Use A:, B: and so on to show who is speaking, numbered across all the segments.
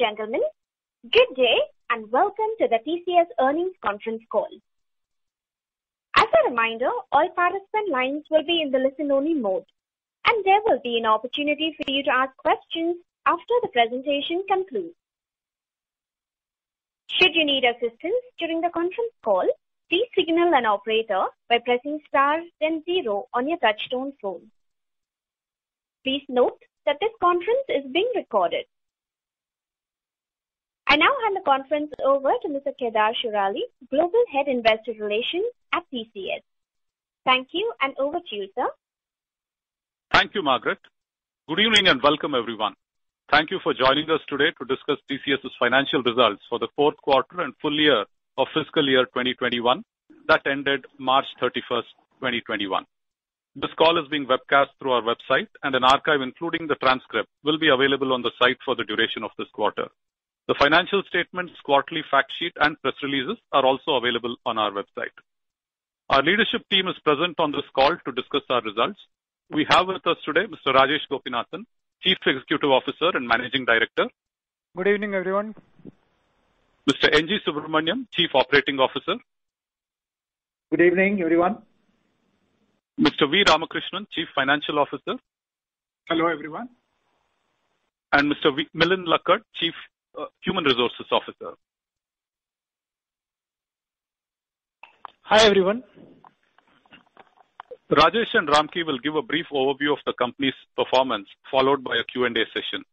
A: Ladies and gentlemen, good day and welcome to the TCS earnings conference call. As a reminder, all participant lines will be in the listen-only mode, and there will be an opportunity for you to ask questions after the presentation concludes. Should you need assistance during the conference call, please signal an operator by pressing star then zero on your touchtone phone. Please note that this conference is being recorded. I now hand the conference over to Mr. Kedar Shirali, Global Head Investor Relations at TCS. Thank you, and over to you, sir.
B: Thank you, Margaret. Good evening and welcome everyone. Thank you for joining us today to discuss TCS's financial results for the fourth quarter and full year of fiscal year 2021 that ended March 31st, 2021. This call is being webcast through our website, and an archive, including the transcript, will be available on the site for the duration of this quarter. The financial statements, quarterly fact sheet, and press releases are also available on our website. Our leadership team is present on this call to discuss our results. We have with us today Mr. Rajesh Gopinathan, Chief Executive Officer and Managing Director.
C: Good evening, everyone.
B: Mr. N.G. Subramaniam, Chief Operating Officer.
D: Good evening, everyone.
B: Mr. V. Ramakrishnan, Chief Financial Officer.
E: Hello, everyone.
B: Mr. Milind Lakkad, Chief Human Resources Officer.
F: Hi, everyone.
B: Rajesh and Ramki will give a brief overview of the company's performance, followed by a Q&A session.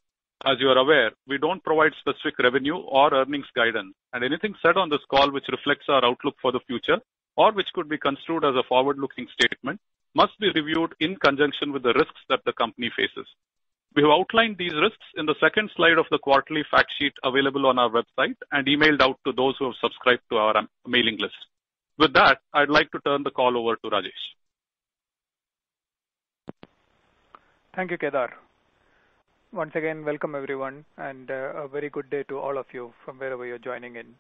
B: As you are aware, we don't provide specific revenue or earnings guidance, and anything said on this call which reflects our outlook for the future, or which could be construed as a forward-looking statement, must be reviewed in conjunction with the risks that the company faces. We have outlined these risks in the second slide of the quarterly fact sheet available on our website and emailed out to those who have subscribed to our mailing list. With that, I'd like to turn the call over to Rajesh.
C: Thank you, Kedar. Once again, welcome, everyone, and a very good day to all of you from wherever you're joining in.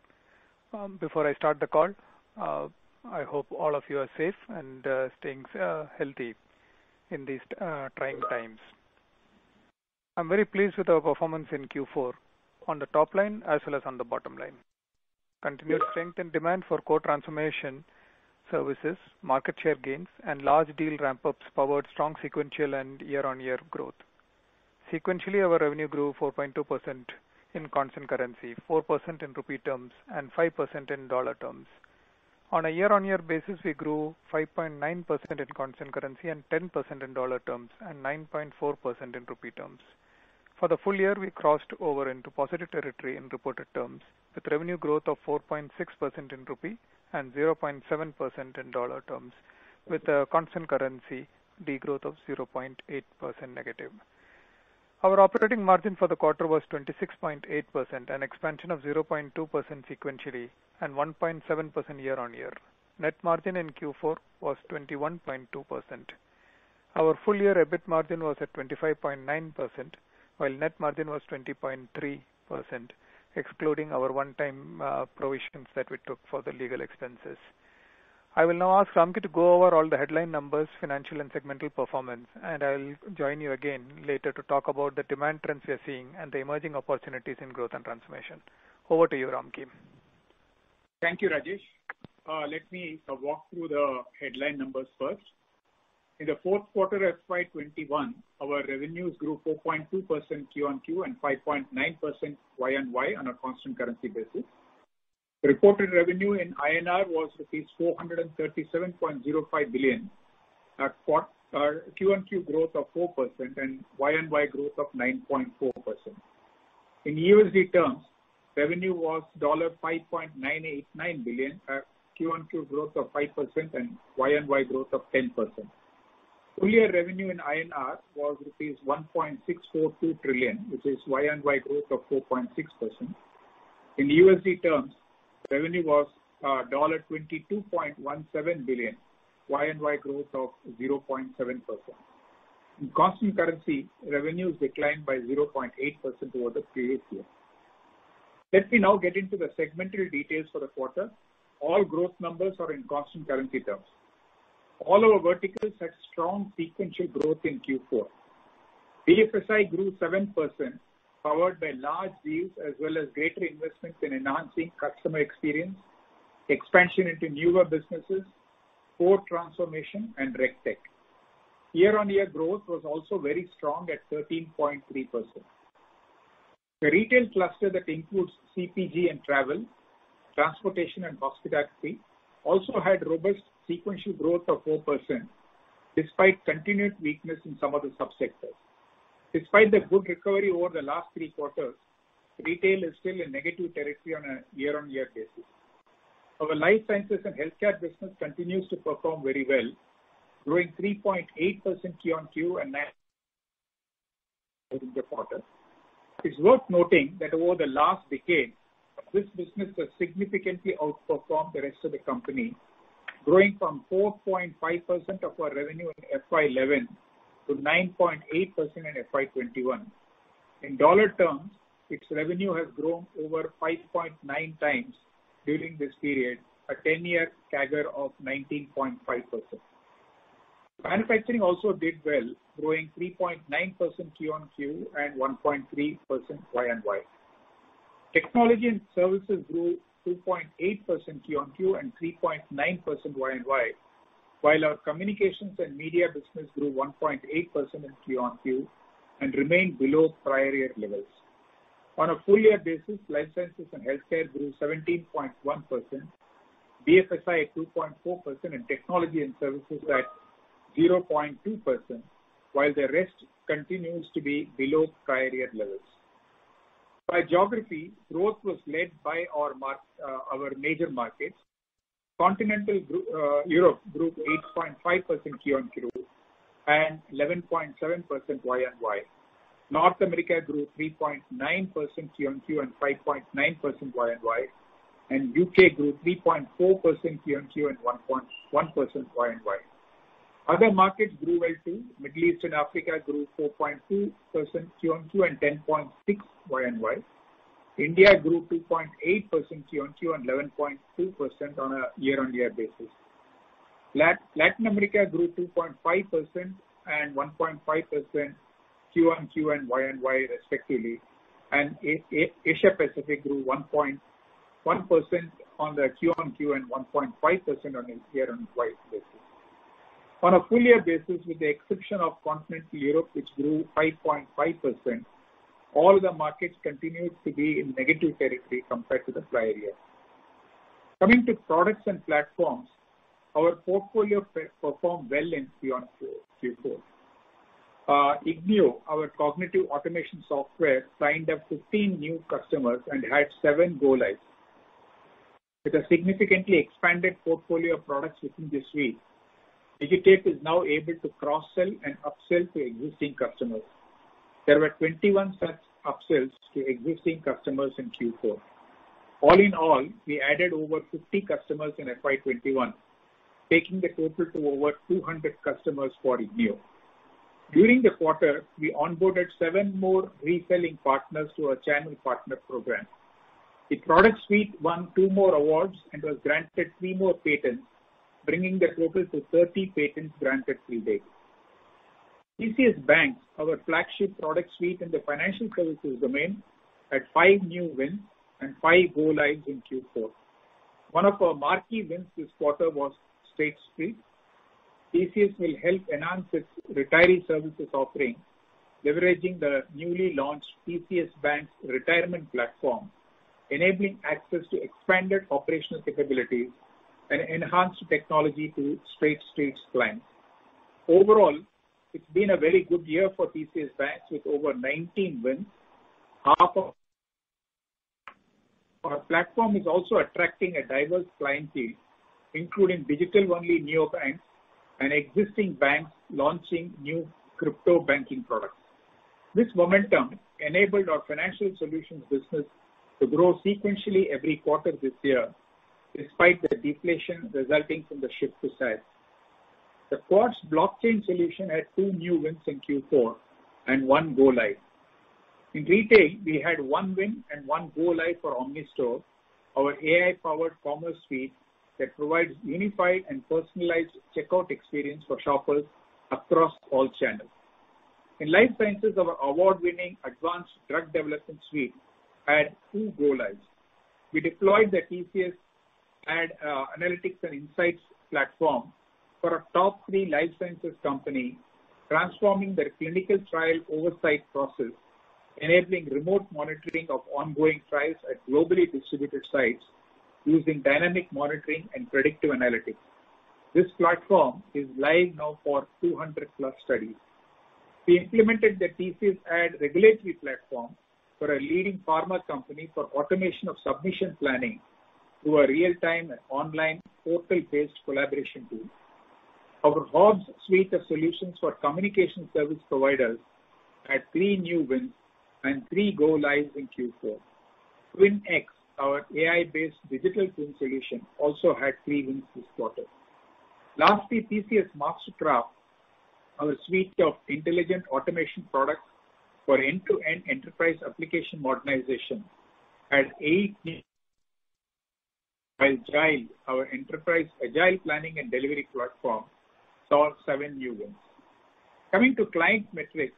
C: Before I start the call, I hope all of you are safe and staying healthy in these trying times. I am very pleased with our performance in Q4 on the top line as well as on the bottom line. Continued strength and demand for core transformation services, market share gains, and large deal ramp-ups powered strong sequential and year-over-year growth. Sequentially, our revenue grew 4.2% in constant currency, 4% in INR terms, and 5% in USD terms. On a year-over-year basis, we grew 5.9% in constant currency and 10% in USD terms and 9.4% in INR terms. For the full year, we crossed over into positive territory in reported terms with revenue growth of 4.6% in INR and 0.7% in USD terms with a constant currency degrowth of 0.8% negative. Our operating margin for the quarter was 26.8%, an expansion of 0.2% sequentially and 1.7% year-on-year. Net margin in Q4 was 21.2%. Our full-year EBIT margin was at 25.9%, while net margin was 20.3%, excluding our one-time provisions that we took for the legal expenses. I will now ask Ramki to go over all the headline numbers, financial and segmental performance, and I'll join you again later to talk about the demand trends we are seeing and the emerging opportunities in growth and transformation. Over to you, Ramki.
E: Thank you, Rajesh. Let me walk through the headline numbers first. In the fourth quarter of FY 2021, our revenues grew 4.2% quarter-over-quarter and 5.9% year-over-year on a constant currency basis. Reported revenue in INR was rupees 437.05 billion at quarter-over-quarter growth of 4% and year-over-year growth of 9.4%. In USD terms, revenue was $5.989 billion at quarter-over-quarter growth of 5% and year-over-year growth of 10%. Full-year revenue in INR was rupees 1.642 trillion, which is year-over-year growth of 4.6%. In USD terms, revenue was $22.17 billion, year-over-year growth of 0.7%. In constant currency, revenues declined by 0.8% over the previous year. Let me now get into the segmental details for the quarter. All growth numbers are in constant currency terms. All our verticals had strong sequential growth in Q4. BFSI grew 7%, powered by large deals as well as greater investments in enhancing customer experience, expansion into newer businesses, core transformation, and RegTech. Year-on-year growth was also very strong at 13.3%. The retail cluster that includes CPG and travel, transportation, and hospitality also had robust sequential growth of 4%, despite continued weakness in some of the sub-sectors. Despite the good recovery over the last three quarters, retail is still in negative territory on a year-on-year basis. Our life sciences and healthcare business continues to perform very well, growing 3.8% QoQ and the quarter. It's worth noting that over the last decade, this business has significantly outperformed the rest of the company, growing from 4.5% of our revenue in FY 2011 to 9.8% in FY 2021. In dollar terms, its revenue has grown over 5.9x during this period, a 10-year CAGR of 19.5%. Manufacturing also did well, growing 3.9% QoQ and 1.3% YoY. Technology and services grew 2.8% QoQ and 3.9% YoY, while our communications and media business grew 1.8% in QoQ and remained below prior year levels. On a full year basis, life sciences and healthcare grew 17.1%, BFSI at 2.4%, and technology and services at 0.2%, while the rest continues to be below prior year levels. By geography, growth was led by our major markets. Continental Europe grew 8.5% QoQ and 11.7% YoY. North America grew 3.9% QoQ and 5.9% YoY, and U.K. grew 3.4% QoQ and 1.1% YoY. Other markets grew well, too. Middle East and Africa grew 4.2% QoQ and 10.6% YoY. India grew 2.8% QoQ and 11.2% on a year-on-year basis. Latin America grew 2.5% and 1.5% QoQ and YoY respectively. Asia Pacific grew 1.1% on the QoQ and 1.5% on a year-over-year basis. On a full year basis, with the exception of continental Europe, which grew 5.5%, all the markets continued to be in negative territory compared to the prior year. Coming to products and platforms, our portfolio performed well in Q4. ignio, our cognitive automation software, signed up 15 new customers and had seven go lives. With a significantly expanded portfolio of products within the suite, Digitate is now able to cross-sell and up-sell to existing customers. There were 21 such up-sells to existing customers in Q4. All in all, we added over 50 customers in FY 2021, taking the total to over 200 customers for ignio. During the quarter, we onboarded seven more reselling partners to our channel partner program. The product suite won two more awards and was granted three more patents, bringing the total to 30 patents granted to date. TCS BaNCS, our flagship product suite in the financial services domain, had five new wins and five go lives in Q4. One of our marquee wins this quarter was State Street. TCS will help enhance its retiree services offering, leveraging the newly launched TCS BaNCS retirement platform, enabling access to expanded operational capabilities and enhanced technology to State Street's clients. Overall, it's been a very good year for TCS BaNCS with over 19 wins. Our platform is also attracting a diverse clientele, including digital-only neobanks and existing banks launching new crypto banking products. This momentum enabled our financial solutions business to grow sequentially every quarter this year, despite the deflation resulting from the shift to cloud. The Quartz blockchain solution had two new wins in Q4 and one go live. In retail, we had one win and one go live for OmniStore, our AI-powered commerce suite that provides unified and personalized checkout experience for shoppers across all channels. In life sciences, our award-winning TCS ADD advanced drug development suite had two go lives. We deployed the TCS ADD analytics and insights platform for a top three life sciences company, transforming their clinical trial oversight process, enabling remote monitoring of ongoing trials at globally distributed sites using dynamic monitoring and predictive analytics. This platform is live now for 200-plus studies. We implemented the TCS ADD Regulatory platform for a leading pharma company for automation of submission planning through a real-time online portal-based collaboration tool. Our TCS HOBS suite of solutions for communication service providers had three new wins and three go lives in Q4. TCS TwinX, our AI-based digital twin solution, also had three wins this quarter. Lastly, TCS MasterCraft, our suite of intelligent automation products for end-to-end enterprise application modernization, had eight wins, while Jile, our enterprise agile planning and delivery platform, saw seven new wins. Coming to client metrics,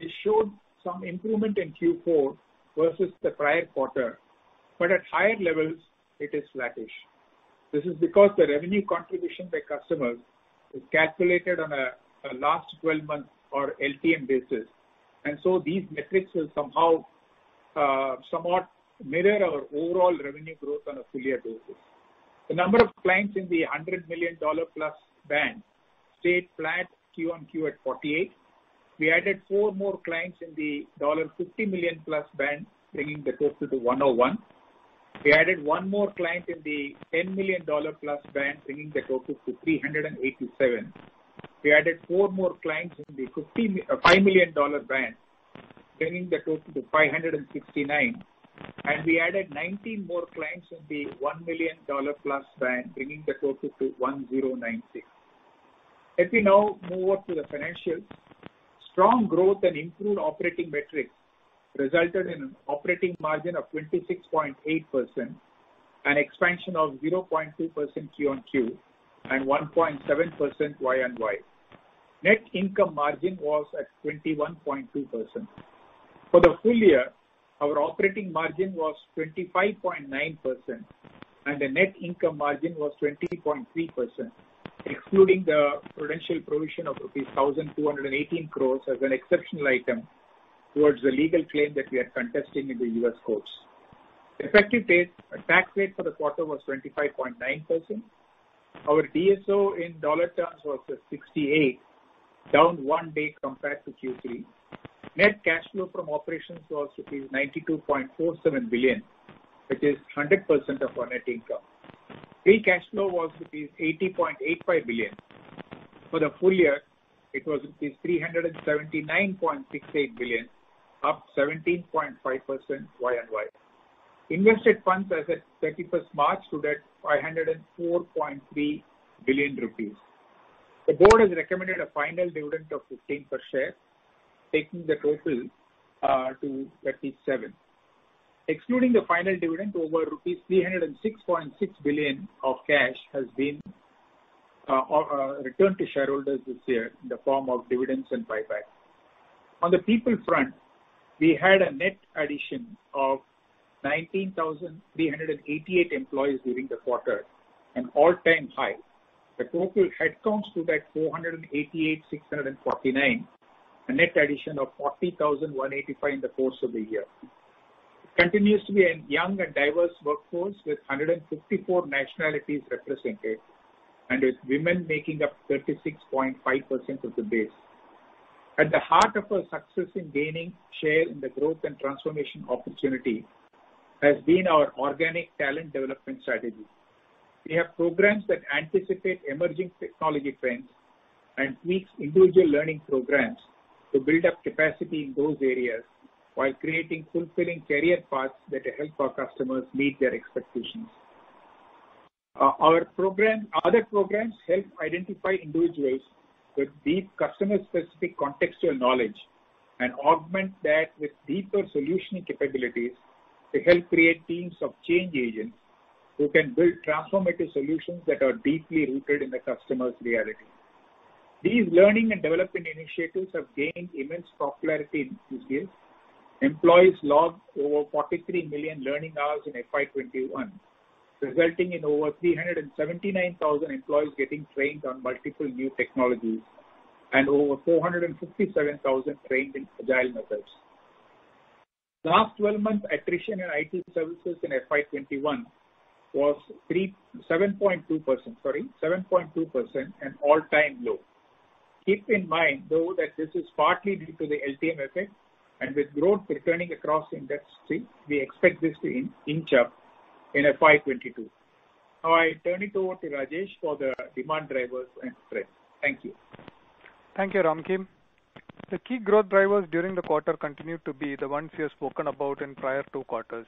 E: we showed some improvement in Q4 versus the prior quarter, but at higher levels it is sluggish. This is because the revenue contribution by customers is calculated on a last 12-month or LTM basis, and so these metrics will somewhat mirror our overall revenue growth on a full year basis. The number of clients in the +$100 million band stayed flat QoQ at 48. We added four more clients in the $+50 million band, bringing the total to 101. We added one more client in the $10 million-plus band, bringing the total to 387. We added four more clients in the INR 5 million band, bringing the total to 569. We added 19 more clients in the INR 1 million plus band, bringing the total to 1,096. Let me now move on to the financials. Strong growth and improved operating metrics resulted in an operating margin of 26.8%, an expansion of 0.2% QoQ and 1.7% YoY. Net income margin was at 21.2%. For the full year, our operating margin was 25.9% and the net income margin was 20.3%, excluding the prudential provision of rupees 1,218 crores as an exceptional item towards the legal claim that we are contesting in the U.S. courts. Effective tax rate for the quarter was 25.9%. Our DSO in dollar terms was at 68, down one day compared to Q3. Net cash flow from operations was 92.47 billion, which is 100% of our net income. Free cash flow was INR. 80.85 billion. For the full year, it was 379.68 billion, up 17.5% YoY. Invested funds as at 31st March stood at 504.3 billion rupees. The board has recommended a final dividend of 15 per share, taking the total to 37. Excluding the final dividend, over rupees 306.6 billion of cash has been returned to shareholders this year in the form of dividends and buyback. On the people front, we had a net addition of 19,388 employees during the quarter, an all-time high. The total head count stood at 488,649, a net addition of 40,185 in the course of the year. It continues to be a young and diverse workforce, with 154 nationalities represented, and with women making up 36.5% of the base. At the heart of our success in gaining share in the growth and transformation opportunity has been our organic talent development strategy. We have programs that anticipate emerging technology trends and tweaks individual learning programs to build up capacity in those areas while creating fulfilling career paths that help our customers meet their expectations. Other programs help identify individuals with deep customer-specific contextual knowledge and augment that with deeper solutioning capabilities to help create teams of change agents who can build transformative solutions that are deeply rooted in the customer's reality. These learning and development initiatives have gained immense popularity this year. Employees logged over 43 million learning hours in FY 2021, resulting in over 379,000 employees getting trained on multiple new technologies and over 457,000 trained in agile methods. Last 12-month attrition in IT services in FY 2021 was 7.2%, an all-time low. Keep in mind, though, that this is partly due to the LTM effect, and with growth returning across industry, we expect this to inch up in FY 2022. Now, I turn it over to Rajesh for the demand drivers and trends. Thank you.
C: Thank you, Ramki. The key growth drivers during the quarter continue to be the ones we have spoken about in prior two quarters.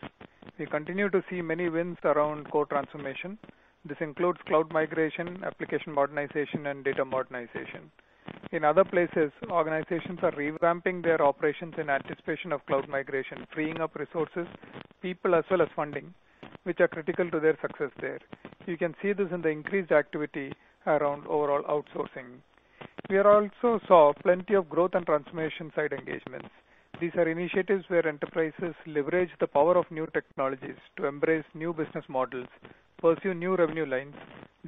C: We continue to see many wins around core transformation. This includes cloud migration, application modernization, and data modernization. In other places, organizations are revamping their operations in anticipation of cloud migration, freeing up resources, people, as well as funding, which are critical to their success there. You can see this in the increased activity around overall outsourcing. We also saw plenty of growth and transformation-side engagements. These are initiatives where enterprises leverage the power of new technologies to embrace new business models, pursue new revenue lines,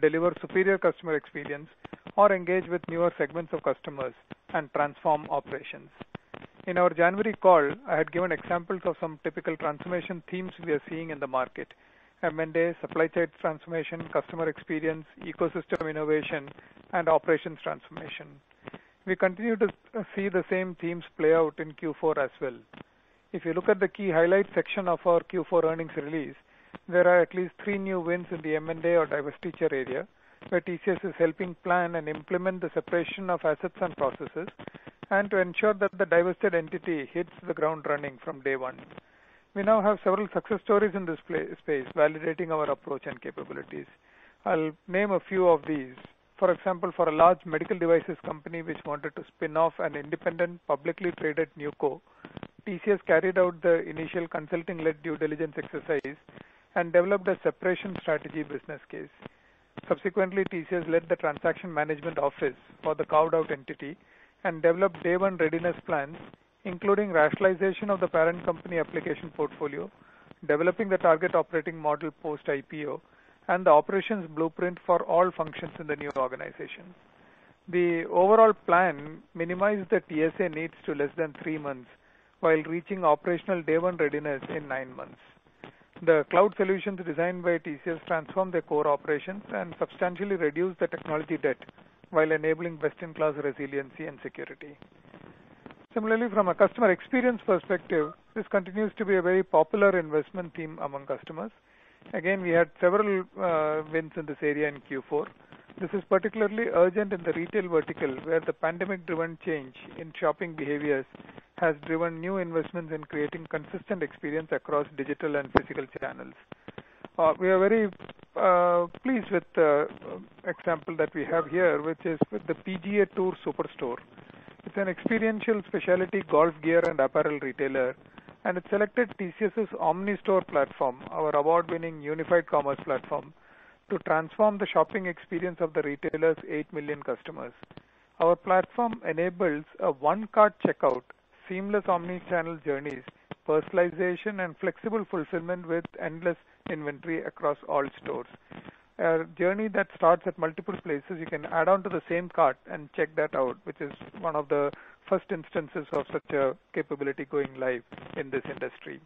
C: deliver superior customer experience, or engage with newer segments of customers and transform operations. In our January call, I had given examples of some typical transformation themes we are seeing in the market: M&A, supply chain transformation, customer experience, ecosystem innovation, and operations transformation. We continue to see the same themes play out in Q4 as well. If you look at the key highlights section of our Q4 earnings release, there are at least three new wins in the M&A or divestiture area, where TCS is helping plan and implement the separation of assets and processes and to ensure that the divested entity hits the ground running from day one. We now have several success stories in this space, validating our approach and capabilities. I'll name a few of these. For example, for a large medical devices company which wanted to spin off an independent, publicly traded NewCo, TCS carried out the initial consulting-led due diligence exercise and developed a separation strategy business case. Subsequently, TCS led the transaction management office for the carved-out entity and developed day-one readiness plans, including rationalization of the parent company application portfolio, developing the target operating model post-IPO, and the operations blueprint for all functions in the new organization. The overall plan minimized the TSA needs to less than three months while reaching operational day-one readiness in nine months. The cloud solutions designed by TCS transformed their core operations and substantially reduced the technology debt while enabling best-in-class resiliency and security. Similarly, from a customer experience perspective, this continues to be a very popular investment theme among customers. Again, we had several wins in this area in Q4. This is particularly urgent in the retail vertical, where the pandemic-driven change in shopping behaviors has driven new investments in creating consistent experience across digital and physical channels. We are very pleased with the example that we have here, which is with the PGA TOUR Superstore. It's an experiential specialty golf gear and apparel retailer, and it selected TCS' OmniStore platform, our award-winning unified commerce platform, to transform the shopping experience of the retailer's 8 million customers. Our platform enables a one-cart checkout, seamless omni-channel journeys, personalization, and flexible fulfillment with endless inventory across all stores. A journey that starts at multiple places you can add onto the same cart and check that out, which is one of the first instances of such a capability going live in this industry.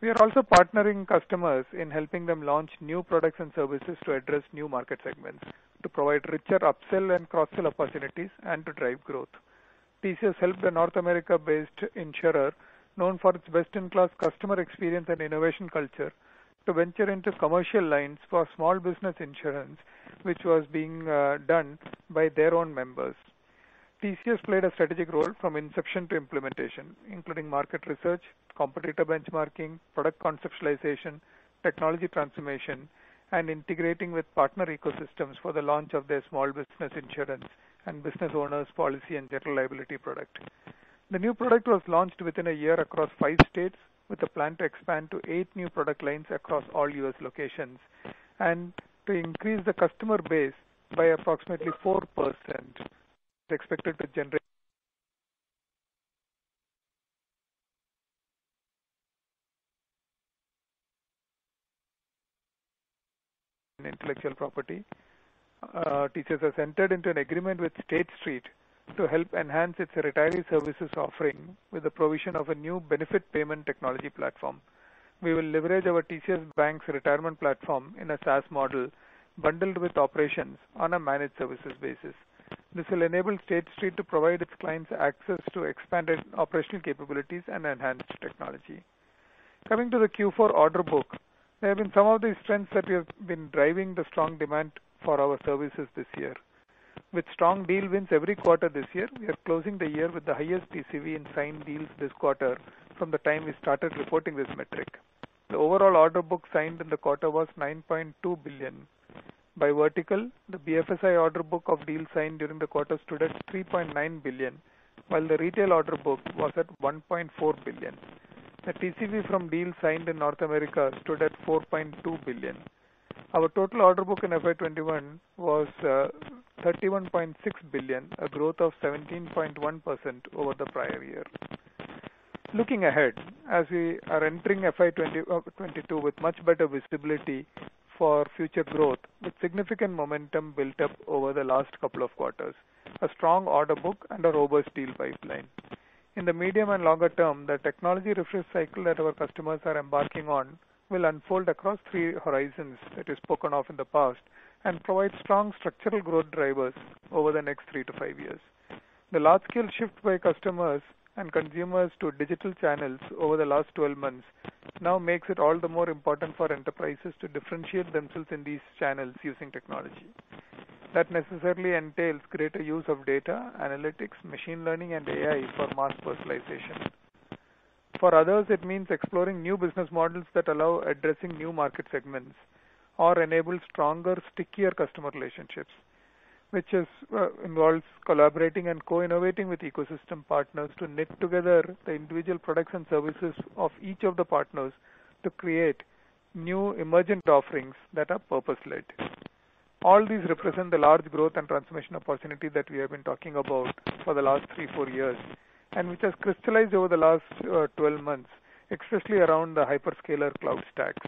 C: We are also partnering customers in helping them launch new products and services to address new market segments, to provide richer upsell and cross-sell opportunities, and to drive growth. TCS helped a North America-based insurer, known for its best-in-class customer experience and innovation culture, to venture into commercial lines for small business insurance, which was being done by their own members. TCS played a strategic role from inception to implementation, including market research, competitor benchmarking, product conceptualization, technology transformation, and integrating with partner ecosystems for the launch of their small business insurance and business owner's policy and general liability product. The new product was launched within a year across 5 states with a plan to expand to 8 new product lines across all U.S. locations, and to increase the customer base by approximately 4%, it's expected to generate intellectual property. TCS has entered into an agreement with State Street to help enhance its retiree services offering with the provision of a new benefit payment technology platform. We will leverage our TCS BaNCS for Pensions in a SaaS model bundled with operations on a managed services basis. This will enable State Street to provide its clients access to expanded operational capabilities and enhanced technology. Coming to the Q4 order book. There have been some of these trends that we have been driving the strong demand for our services this year. With strong deal wins every quarter this year, we are closing the year with the highest TCV in signed deals this quarter from the time we started reporting this metric. The overall order book signed in the quarter was $9.2 billion. By vertical, the BFSI order book of deals signed during the quarter stood at $3.9 billion, while the retail order book was at $1.4 billion. The TCV from deals signed in North America stood at $4.2 billion. Our total order book in FY 2021 was $31.6 billion, a growth of 17.1% over the prior year. Looking ahead, as we are entering FY 2022 with much better visibility for future growth with significant momentum built up over the last couple of quarters, a strong order book and a robust deal pipeline. In the medium and longer term, the technology refresh cycle that our customers are embarking on will unfold across three horizons that is spoken of in the past and provide strong structural growth drivers over the next three to five years. The large-scale shift by customers and consumers to digital channels over the last 12 months now makes it all the more important for enterprises to differentiate themselves in these channels using technology. That necessarily entails greater use of data, analytics, machine learning, and AI for mass personalization. For others, it means exploring new business models that allow addressing new market segments or enable stronger, stickier customer relationships, which involves collaborating and co-innovating with ecosystem partners to knit together the individual products and services of each of the partners to create new emergent offerings that are purpose-led. All these represent the large growth and transformation opportunity that we have been talking about for the last three, four years and which has crystallized over the last 12 months, especially around the hyperscaler cloud stacks.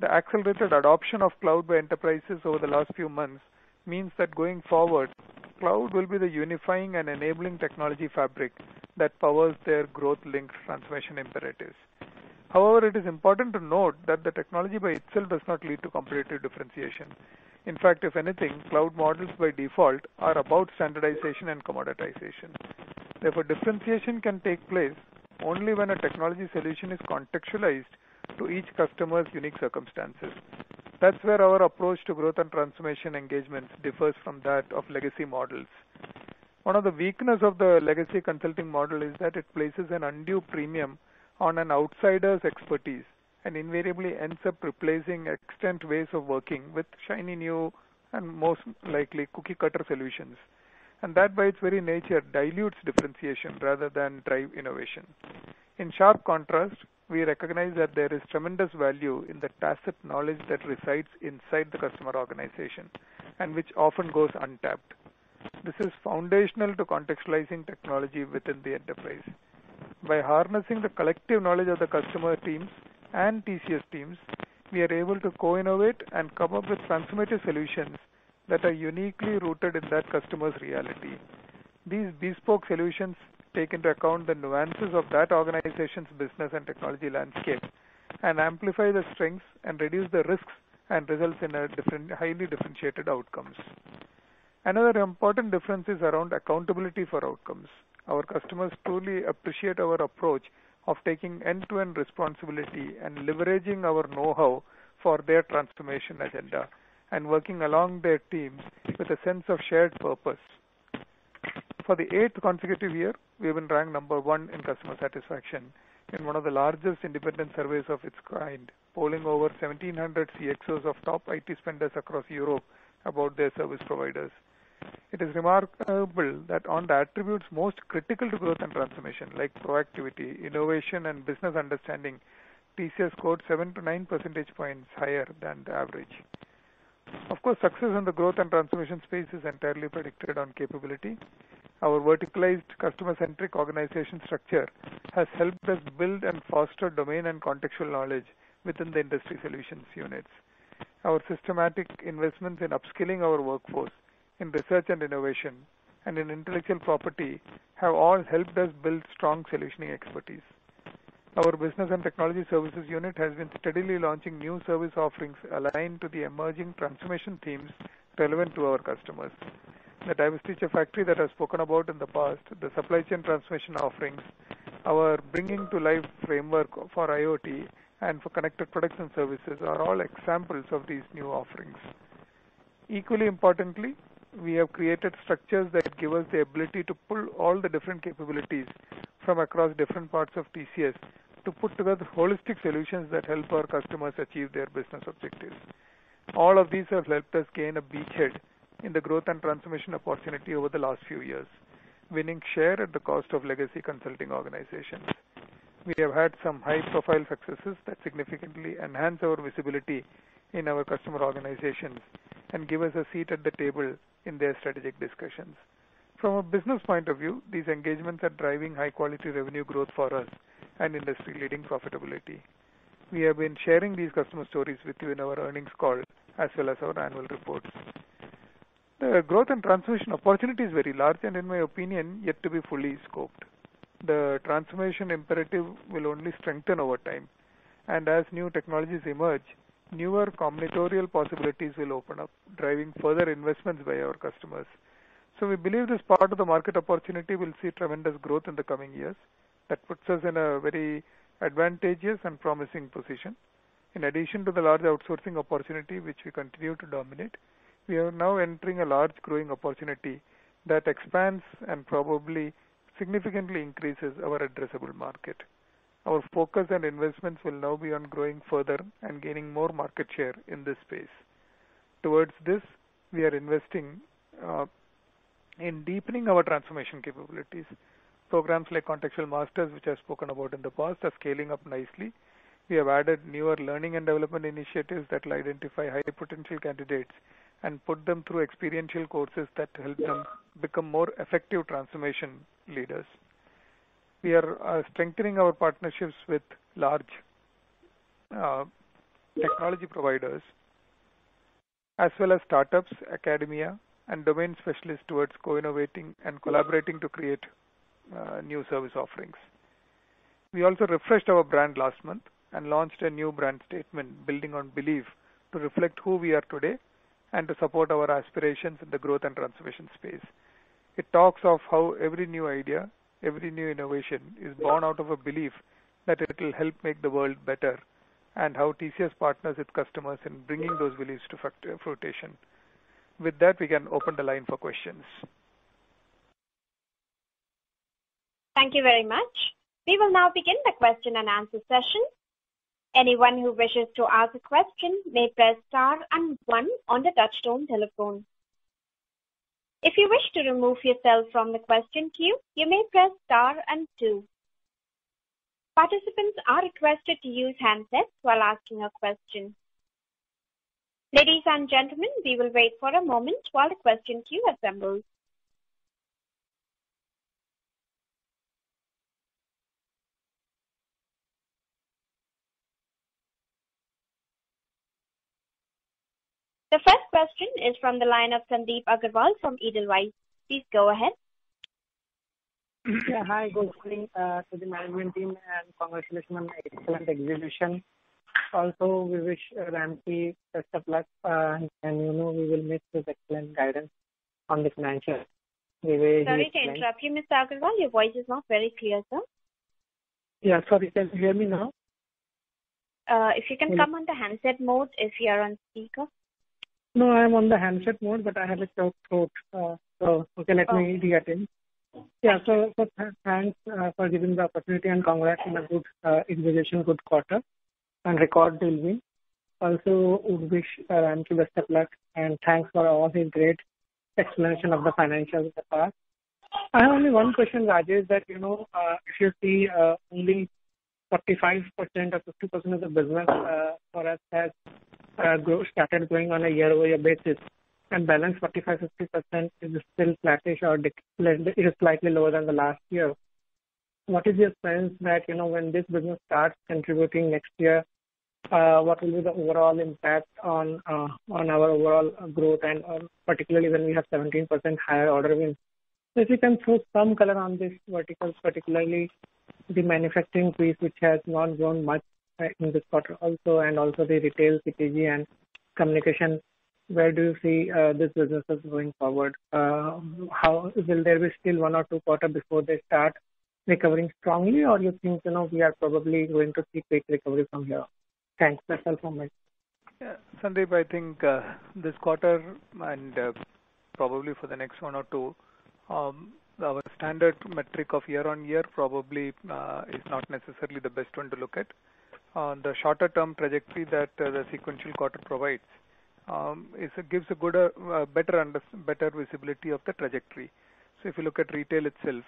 C: The accelerated adoption of cloud by enterprises over the last few months means that going forward, cloud will be the unifying and enabling technology fabric that powers their growth links transformation imperatives. However, it is important to note that the technology by itself does not lead to competitive differentiation. In fact, if anything, cloud models by default are about standardization and commoditization. Therefore, differentiation can take place only when a technology solution is contextualized to each customer's unique circumstances. That's where our approach to growth and transformation engagements differs from that of legacy models. One of the weaknesses of the legacy consulting model is that it places an undue premium on an outsider's expertise and invariably ends up replacing extant ways of working with shiny new, and most likely cookie-cutter solutions. That, by its very nature, dilutes differentiation rather than driving innovation. In sharp contrast, we recognize that there is tremendous value in the tacit knowledge that resides inside the customer organization and which often goes untapped. This is foundational to contextualizing technology within the enterprise. By harnessing the collective knowledge of the customer teams and TCS teams, we are able to co-innovate and come up with transformative solutions that are uniquely rooted in that customer's reality. These bespoke solutions take into account the nuances of that organization's business and technology landscape and amplify the strengths and reduce the risks and results in highly differentiated outcomes. Another important difference is around accountability for outcomes. Our customers truly appreciate our approach of taking end-to-end responsibility and leveraging our know-how for their transformation agenda and working along their teams with a sense of shared purpose. For the 8th consecutive year, we have been ranked number 1 in customer satisfaction in one of the largest independent surveys of its kind, polling over 1,700 CXOs of top IT spenders across Europe about their service providers. It is remarkable that on the attributes most critical to growth and transformation, like proactivity, innovation, and business understanding, TCS scored seven to nine percentage points higher than the average. Of course, success in the growth and transformation space is entirely predicated on capability. Our verticalized customer-centric organization structure has helped us build and foster domain and contextual knowledge within the industry solutions units. Our systematic investments in upskilling our workforce, in research and innovation, and in intellectual property have all helped us build strong solutioning expertise. Our business and technology services unit has been steadily launching new service offerings aligned to the emerging transformation themes relevant to our customers. The diversity factory that I've spoken about in the past, the supply chain transformation offerings, our Bringing to Life framework for IoT and for connected products and services are all examples of these new offerings. Equally importantly, we have created structures that give us the ability to pull all the different capabilities from across different parts of TCS to put together holistic solutions that help our customers achieve their business objectives. All of these have helped us gain a beachhead in the growth and transformation opportunity over the last few years, winning share at the cost of legacy consulting organizations. We have had some high-profile successes that significantly enhance our visibility in our customer organizations and give us a seat at the table in their strategic discussions. From a business point of view, these engagements are driving high-quality revenue growth for us and industry-leading profitability. We have been sharing these customer stories with you in our earnings call as well as our annual report. The growth and transformation opportunity is very large, and in my opinion, yet to be fully scoped. The transformation imperative will only strengthen over time. As new technologies emerge, newer combinatorial possibilities will open up, driving further investments by our customers. We believe this part of the market opportunity will see tremendous growth in the coming years. That puts us in a very advantageous and promising position. In addition to the large outsourcing opportunity, which we continue to dominate, we are now entering a large growing opportunity that expands and probably significantly increases our addressable market. Our focus and investments will now be on growing further and gaining more market share in this space. Towards this, we are investing in deepening our transformation capabilities. Programs like Contextual Masters, which I've spoken about in the past, are scaling up nicely. We have added newer learning and development initiatives that will identify high-potential candidates and put them through experiential courses that help them become more effective transformation leaders. We are strengthening our partnerships with large technology providers as well as startups, academia, and domain specialists towards co-innovating and collaborating to create new service offerings. We also refreshed our brand last month and launched a new brand statement, "Building on Belief," to reflect who we are today and to support our aspirations in the growth and transformation space. It talks of how every new idea, every new innovation, is born out of a belief that it will help make the world better, and how TCS partners with customers in bringing those beliefs to fruition. With that, we can open the line for questions.
A: Thank you very much. We will now begin the question-and-answer session. Anyone who wishes to ask a question may press star and one on the touchtone telephone. If you wish to remove yourself from the question queue, you may press star and two. Participants are requested to use handsets while asking a question. Ladies and gentlemen, we will wait for a moment while the question queue assembles. The first question is from the line of Sandip Agarwal from Edelweiss. Please go ahead.
G: Hi. Good morning to the management team. Congratulations on the excellent exhibition. Also, we wish Ramki best of luck, and we will miss his excellent guidance on the financials.
A: Sorry to interrupt you, Mr. Agarwal. Your voice is not very clear, sir.
G: Yeah, sorry. Can you hear me now?
A: If you can come on the handset mode if you're on speaker.
G: I am on the handset mode, I have a choked throat. Okay, let me re-attempt. Yeah. Thanks for giving the opportunity, and congrats on the good exhibition, good quarter, and record deal win. Also would wish Ramki best of luck, and thanks for all his great explanation of the financials in the past. I have only one question, Rajesh, that if you see only 45% or 50% of the business for us has started growing on a year-over-year basis, and the balance 45%-50% is still flattish or is slightly lower than the last year. What is your sense that when this business starts contributing next year, what will be the overall impact on our overall growth and particularly when we have 17% higher order wins? If you can throw some color on these verticals, particularly the manufacturing piece, which has not grown much in this quarter also, and also the retail, CPG, and communication. Where do you see these businesses going forward? Will there be still one or two quarters before they start recovering strongly, or you think we are probably going to see quick recovery from here? Thanks. That's all from my side.
C: Sandip, I think this quarter and probably for the next one or two, our standard metric of year-on-year probably is not necessarily the best one to look at. On the shorter term trajectory that the sequential quarter provides, it gives a better visibility of the trajectory. If you look at retail itself,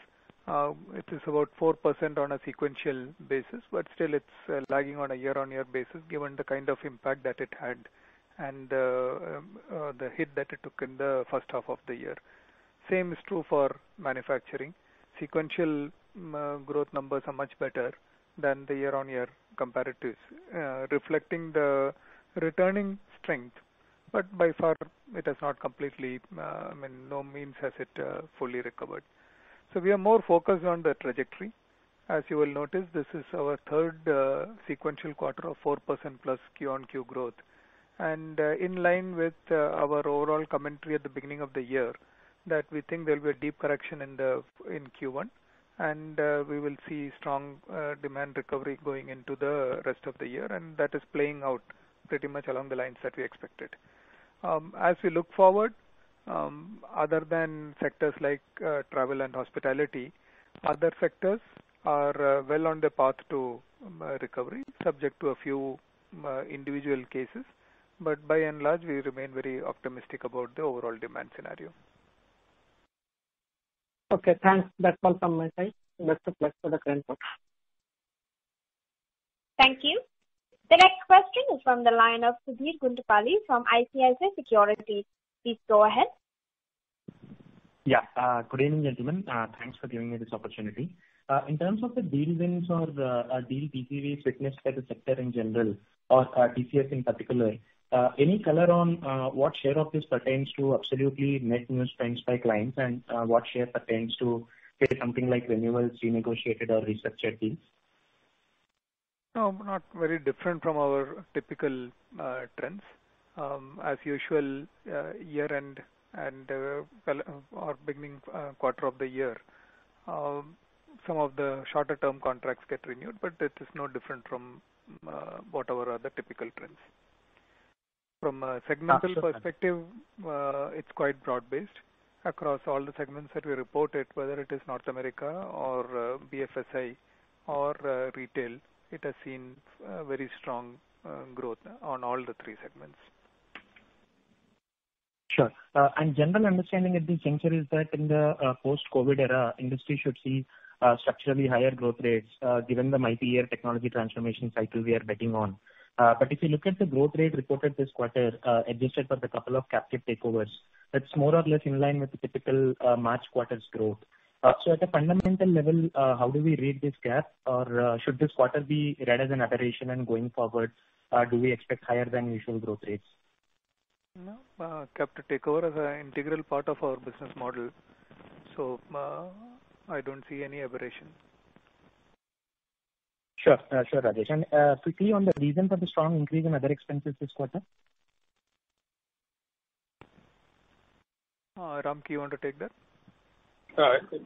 C: it is about 4% on a sequential basis, but still it's lagging on a year-on-year basis given the kind of impact that it had and the hit that it took in the first half of the year. Same is true for manufacturing. Sequential growth numbers are much better than the year-on-year comparatives, reflecting the returning strength. By far, it has not completely, by no means has it fully recovered. We are more focused on the trajectory. As you will notice, this is our third sequential quarter of 4% plus QoQ growth. In line with our overall commentary at the beginning of the year, that we think there will be a deep correction in Q1, and we will see strong demand recovery going into the rest of the year, and that is playing out pretty much along the lines that we expected. As we look forward, other than sectors like travel and hospitality, other sectors are well on the path to recovery, subject to a few individual cases. By and large, we remain very optimistic about the overall demand scenario.
G: Okay, thanks. That's all from my side. Best of luck for the current quarter.
A: Thank you. The next question is from the line of Sudheer Guntupalli from ICICI Securities. Please go ahead.
H: Yeah. Good evening, gentlemen. Thanks for giving me this opportunity. In terms of the deal wins or deal TCVs witnessed by the sector in general or TCS in particular, any color on what share of this pertains to absolutely net new spends by clients and what share pertains to say something like renewals, renegotiated or researched deals?
C: No, not very different from our typical trends. As usual, year-end and beginning quarter of the year. Some of the shorter-term contracts get renewed, but it is no different from what our other typical trends. From a segmental perspective, it's quite broad-based across all the segments that we reported, whether it is North America or BFSI or retail. It has seen very strong growth on all the three segments.
H: Sure. General understanding at this juncture is that in the post-COVID era, industry should see structurally higher growth rates, given the multi-year technology transformation cycle we are betting on. If you look at the growth rate reported this quarter, adjusted for the two captive takeovers, that's more or less in line with the typical March quarter's growth. At a fundamental level, how do we read this gap? Should this quarter be read as an aberration and going forward, do we expect higher than usual growth rates?
C: No. Captive takeover is an integral part of our business model, so I don't see any aberration.
H: Sure. Sure, Rajesh. Quickly on the reason for the strong increase in other expenses this quarter.
C: Ramki, you want to take that?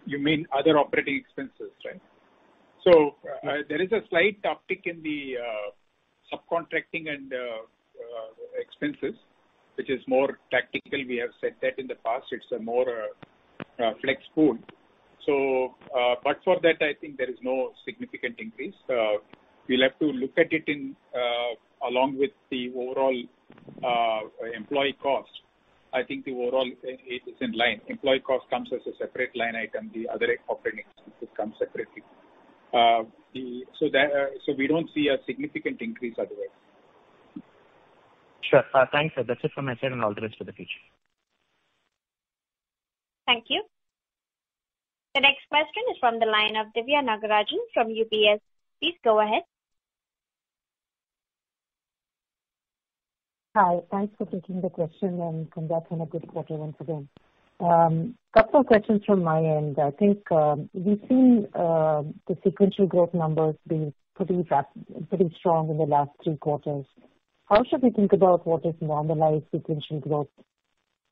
E: You mean other operating expenses, right? There is a slight uptick in the subcontracting and expenses, which is more tactical. We have said that in the past. It's a more flex pool. For that, I think there is no significant increase. We'll have to look at it along with the overall employee cost. I think the overall is in line. Employee cost comes as a separate line item. The other operating expenses come separately. We don't see a significant increase otherwise.
H: Sure. Thanks. That's it from my side and all the best for the future.
A: Thank you. The next question is from the line of Diviya Nagarajan from UBS. Please go ahead.
I: Hi. Thanks for taking the question and congrats on a good quarter once again. Couple of questions from my end. I think we've seen the sequential growth numbers being pretty strong in the last two quarters. How should we think about what is normalized sequential growth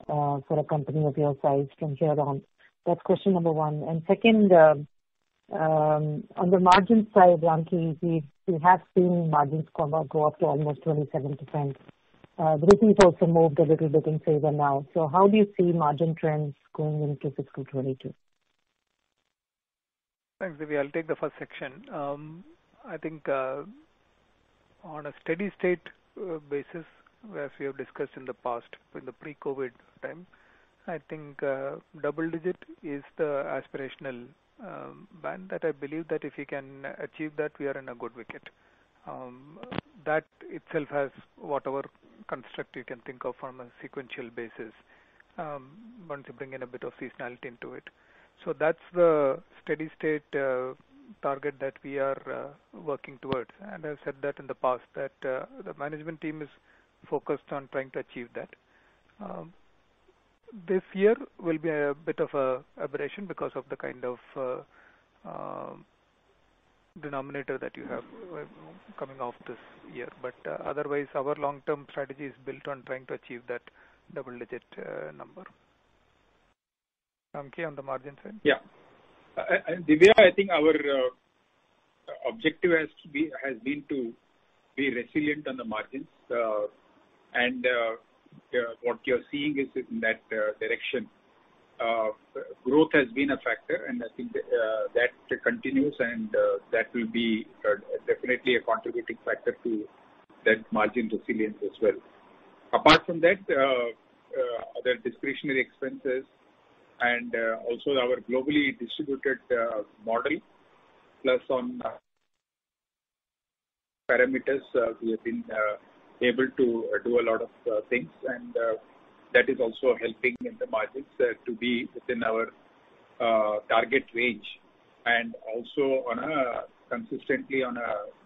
I: for a company of your size from here on? That's question number one. Second, on the margin side, Ramki, we have seen margins go up to almost 27%. It is also moved a little bit in favor now. How do you see margin trends going into FY 2022?
C: Thanks, Diviya. I'll take the first section. I think on a steady-state basis, as we have discussed in the past, in the pre-COVID time, I think double-digit is the aspirational band that I believe that if we can achieve that, we are in a good wicket. That itself has whatever construct you can think of from a sequential basis, once you bring in a bit of seasonality into it. That's the steady-state target that we are working towards. I've said that in the past, that the management team is focused on trying to achieve that. This year will be a bit of an aberration because of the kind of denominator that you have coming off this year. Otherwise, our long-term strategy is built on trying to achieve that double-digit number.
I: Okay, on the margin side?
E: Yeah. Diviya, I think our objective has been to be resilient on the margins. What you're seeing is in that direction. Growth has been a factor, and I think that continues and that will be definitely a contributing factor to that margin resilience as well. Apart from that, other discretionary expenses and also our globally distributed model, plus on parameters, we have been able to do a lot of things, and that is also helping in the margins to be within our target range and also consistently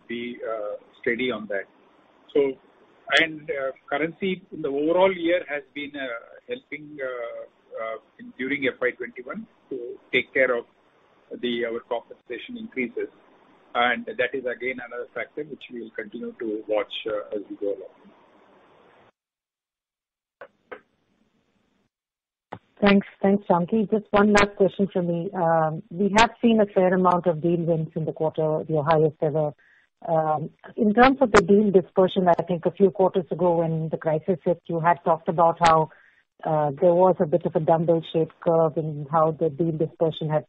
E: be steady on that. Currency in the overall year has been helping during FY 2021 to take care of our compensation increases. That is again another factor which we will continue to watch as we go along.
I: Thanks, Ramki. Just one last question from me. We have seen a fair amount of deal wins in the quarter, the highest ever. In terms of the deal dispersion, I think a few quarters ago when the crisis hit, you had talked about how there was a bit of a dumbbell-shaped curve in how the deal dispersion had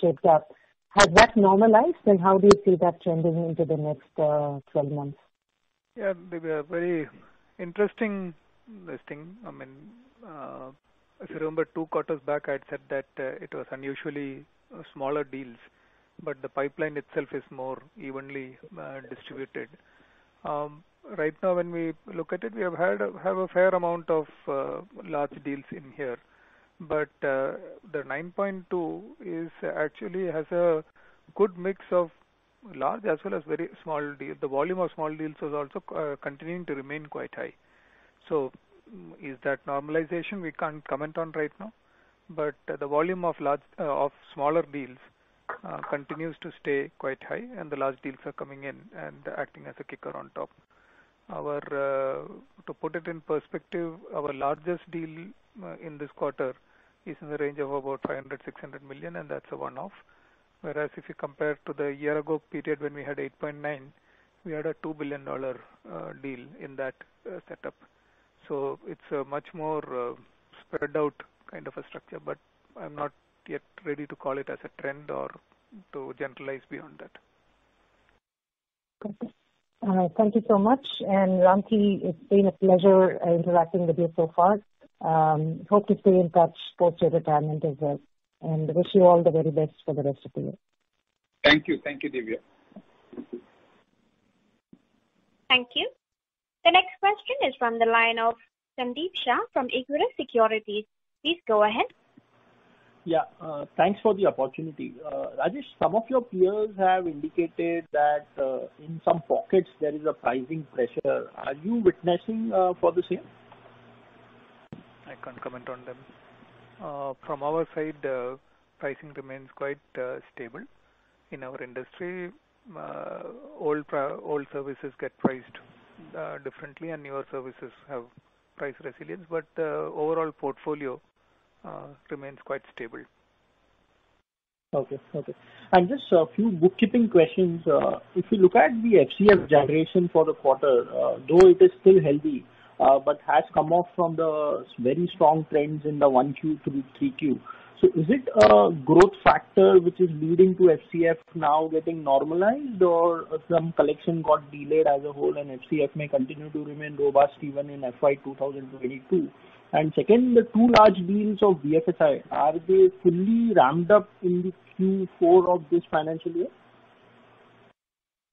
I: shaped up. Has that normalized, and how do you see that changing into the next 12 months?
C: Yeah, Diviya, very interesting. If you remember two quarters back, I'd said that it was unusually smaller deals, but the pipeline itself is more evenly distributed. Right now when we look at it, we have a fair amount of large deals in here. The 9.2 actually has a good mix of large as well as very small deals. The volume of small deals is also continuing to remain quite high. Is that normalization? We can't comment on right now. The volume of smaller deals continues to stay quite high, and the large deals are coming in and acting as a kicker on top. To put it in perspective, our largest deal in this quarter is in the range of about 500 million-600 million, and that's a one-off. Whereas if you compare to the year-ago period when we had $8.9 billion, we had a $2 billion deal in that setup. It's a much more spread out kind of a structure, but I'm not yet ready to call it as a trend or to generalize beyond that.
I: Okay. All right. Thank you so much. Ramki, it's been a pleasure interacting with you so far. Hope to stay in touch post your retirement as well, and wish you all the very best for the rest of the year.
E: Thank you. Thank you, Diviya.
A: Thank you. The next question is from the line of Sandeep Shah from Equirus Securities. Please go ahead.
J: Yeah. Thanks for the opportunity. Rajesh, some of your peers have indicated that in some pockets, there is a pricing pressure. Are you witnessing for the same?
C: I can't comment on them. From our side, pricing remains quite stable. In our industry, old services get priced differently and newer services have price resilience. The overall portfolio remains quite stable.
J: Okay. Just a few bookkeeping questions. If you look at the FCF generation for the quarter, though it is still healthy, but has come off from the very strong trends in the 1Q to the 3Q. Is it a growth factor which is leading to FCF now getting normalized, or some collection got delayed as a whole and FCF may continue to remain robust even in FY 2022? Second, the two large deals of BFSI, are they fully ramped up in the Q4 of this financial year?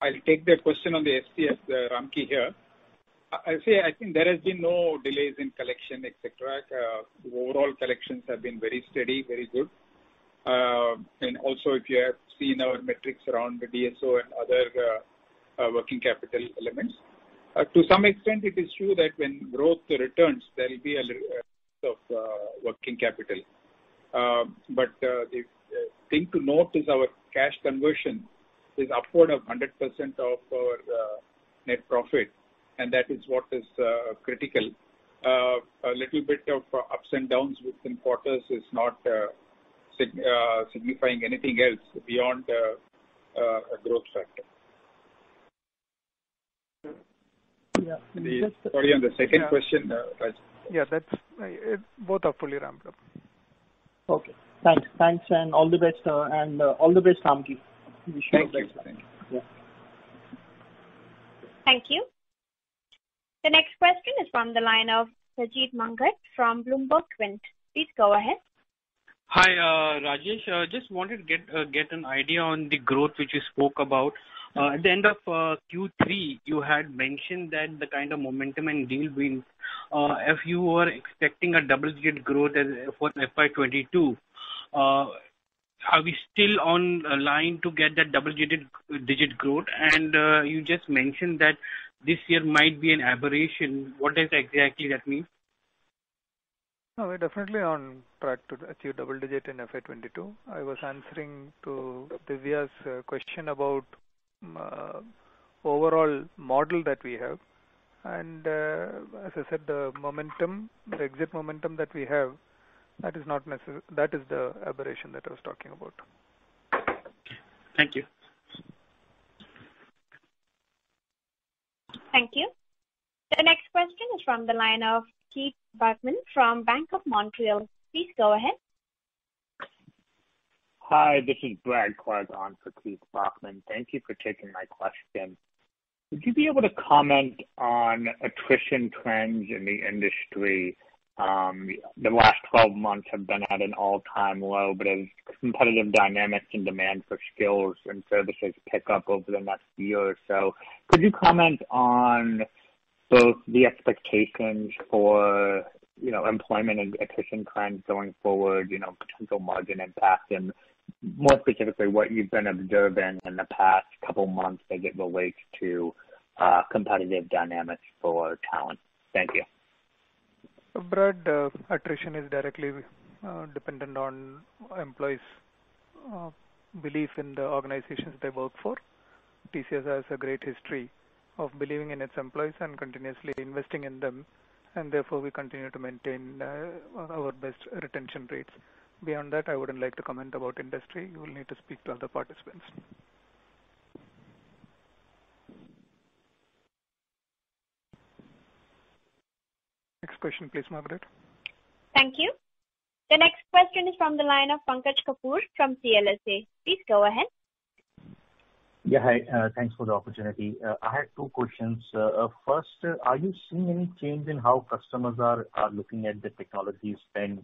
E: I'll take that question on the FCF, Ramki here. I'd say, I think there has been no delays in collection, et cetera. The overall collections have been very steady, very good. Also if you have seen our metrics around DSO and other working capital elements. To some extent it is true that when growth returns, there'll be of a working capital. But the thing to note is our cash conversion is upward of 100% of our net profit, and that is what is critical. A little bit of ups and downs within quarters is not signifying anything else beyond a growth factor.
C: Yeah.
E: Sorry, on the second question, Rajesh.
C: Yeah, both are fully ramped up.
J: Okay, thanks. Thanks, and all the best. All the best, Ramki.
E: Thank you.
J: Wish you all the best.
E: Thank you.
A: Thank you. The next question is from the line of Sajeet Manghat from BloombergQuint. Please go ahead.
K: Hi, Rajesh. Just wanted to get an idea on the growth which you spoke about. At the end of Q3, you had mentioned that the kind of momentum and deal wins, if you were expecting a double-digit growth for FY 2022. Are we still on line to get that double-digit growth? You just mentioned that this year might be an aberration. What does exactly that mean?
C: We're definitely on track to achieve double digit in FY 2022. I was answering to Diviya's question about overall model that we have. As I said, the exit momentum that we have, that is the aberration that I was talking about.
K: Thank you.
A: Thank you. The next question is from the line of Keith Bachman from Bank of Montreal. Please go ahead.
L: Hi, this is Bradley Clark on for Keith Bachman. Thank you for taking my question. Would you be able to comment on attrition trends in the industry? The last 12 months have been at an all-time low, but as competitive dynamics and demand for skills and services pick up over the next year or so, could you comment on both the expectations for employment and attrition trends going forward, potential margin impact, and more specifically, what you've been observing in the past couple of months as it relates to competitive dynamics for talent? Thank you.
C: Brad, attrition is directly dependent on employees' belief in the organizations they work for. TCS has a great history of believing in its employees and continuously investing in them, and therefore, we continue to maintain our best retention rates. Beyond that, I wouldn't like to comment about industry. You will need to speak to other participants. Next question, please, Margaret.
A: Thank you. The next question is from the line of Pankaj Kapoor from CLSA. Please go ahead.
M: Yeah. Hi. Thanks for the opportunity. I had two questions. First, are you seeing any change in how customers are looking at their technology spend?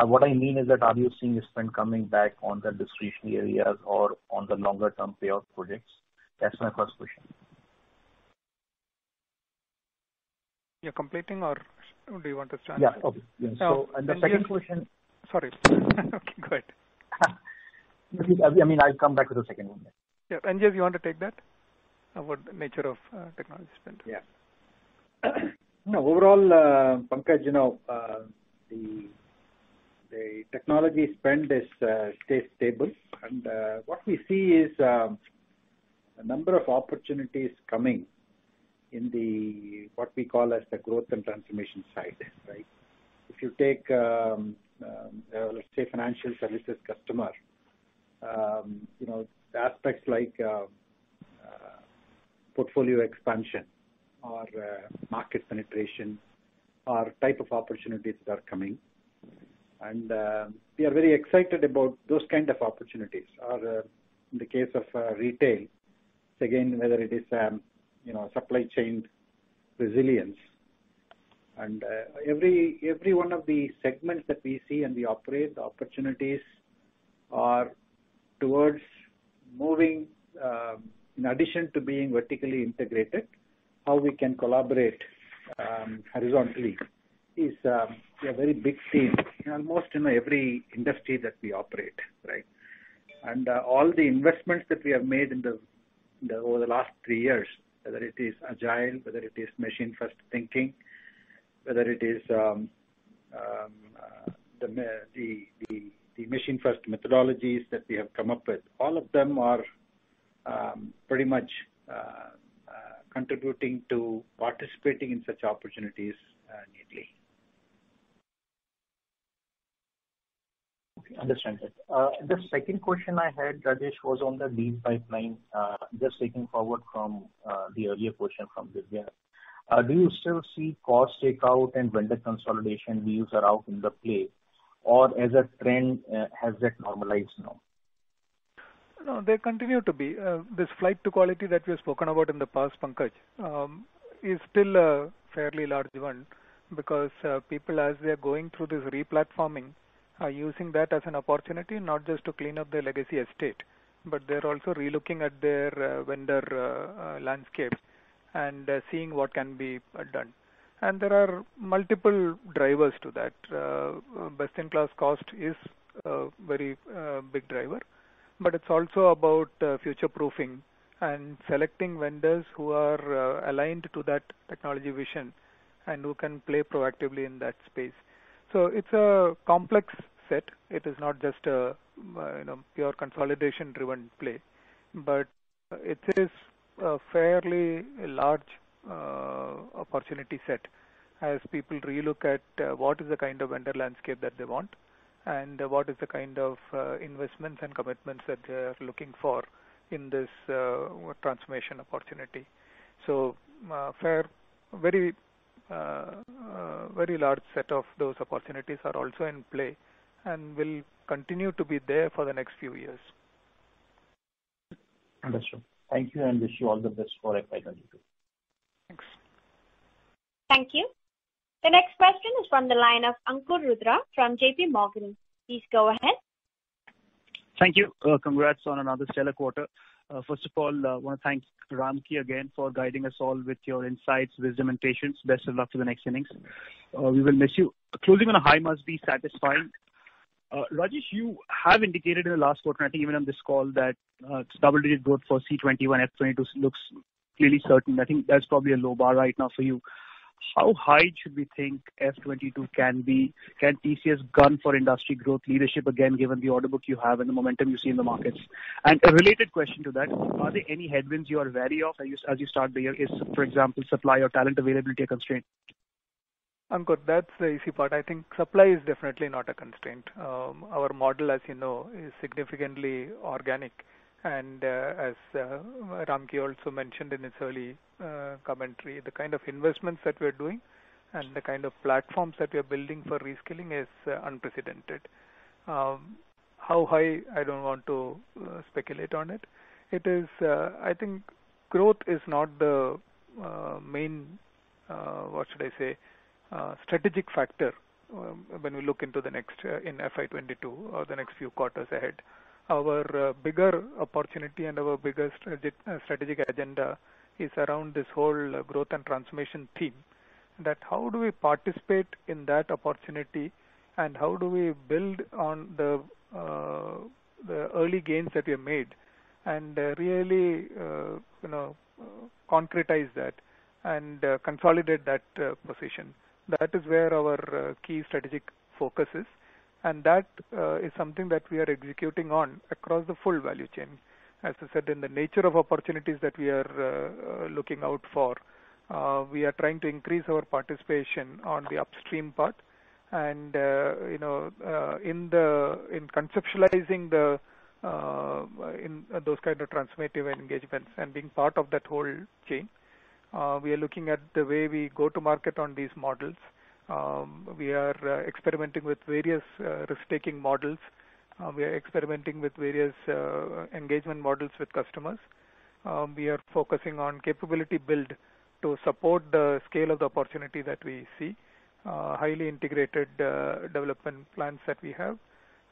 M: What I mean is that are you seeing spend coming back on the discretionary areas or on the longer-term payoff projects? That's my first question.
C: You're completing or do you want to start?
M: Yeah. Okay. The second question-
C: Sorry. Okay, go ahead.
M: I'll come back with the second one.
C: Yeah. N.G., you want to take that? About the nature of technology spend.
D: Yeah. Overall, Pankaj, the technology spend stays stable. What we see is a number of opportunities coming in the, what we call as the growth and transformation side. Right? If you take, let's say, financial services customer, the aspects like portfolio expansion or market penetration are type of opportunities that are coming. We are very excited about those kind of opportunities. In the case of retail, again, whether it is supply chain resilience. Every one of the segments that we see and we operate, the opportunities are towards moving, in addition to being vertically integrated, how we can collaborate horizontally is a very big theme in almost every industry that we operate, right? All the investments that we have made over the last three years, whether it is agile, whether it is machine-first thinking, whether it is the machine-first methodologies that we have come up with. All of them are pretty much contributing to participating in such opportunities neatly.
M: Okay. Understand that. The second question I had, Rajesh, was on the deal pipeline. Just taking forward from the earlier question from Diviya. Do you still see cost takeout and vendor consolidation deals are out in the play or as a trend, has that normalized now?
C: No, they continue to be. This flight to quality that we've spoken about in the past, Pankaj, is still a fairly large one because people, as they're going through this re-platforming, are using that as an opportunity not just to clean up their legacy estate, but they're also re-looking at their vendor landscape and seeing what can be done. There are multiple drivers to that. Best-in-class cost is a very big driver, but it's also about future-proofing and selecting vendors who are aligned to that technology vision and who can play proactively in that space. It's a complex set. It is not just a pure consolidation-driven play, but it is a fairly large opportunity set as people re-look at what is the kind of vendor landscape that they want and what is the kind of investments and commitments that they're looking for in this transformation opportunity. A very large set of those opportunities are also in play and will continue to be there for the next few years.
M: Understood. Thank you and wish you all the best for FY 2022.
C: Thanks.
A: Thank you. The next question is from the line of Ankur Rudra from JPMorgan. Please go ahead.
N: Thank you. Congrats on another stellar quarter. First of all, I want to thank Ramki again for guiding us all with your insights, wisdom, and patience. Best of luck for the next innings. We will miss you. Closing on a high must be satisfying. Rajesh, you have indicated in the last quarter, and I think even on this call that double-digit growth for FY 2021 FY 2022 looks clearly certain. I think that's probably a low bar right now for you. How high should we think FY 2022 can be? Can TCS gun for industry growth leadership again, given the order book you have and the momentum you see in the markets? A related question to that, are there any headwinds you are wary of as you start the year? Is, for example, supply or talent availability a constraint?
C: Ankur, that's the easy part. I think supply is definitely not a constraint. Our model, as you know, is significantly organic. As Ramki also mentioned in his early commentary, the kind of investments that we're doing and the kind of platforms that we are building for reskilling is unprecedented. How high? I don't want to speculate on it. I think growth is not the main, what should I say, strategic factor when we look into in FY 2022 or the next few quarters ahead. Our bigger opportunity and our biggest strategic agenda is around this whole growth and transformation theme. How do we participate in that opportunity and how do we build on the early gains that we have made and really concretize that and consolidate that position. That is where our key strategic focus is, and that is something that we are executing on across the full value chain. As I said, in the nature of opportunities that we are looking out for, we are trying to increase our participation on the upstream part and in conceptualizing in those kind of transformative engagements and being part of that whole chain. We are looking at the way we go to market on these models. We are experimenting with various risk-taking models. We are experimenting with various engagement models with customers. We are focusing on capability build to support the scale of the opportunity that we see. Highly integrated development plans that we have.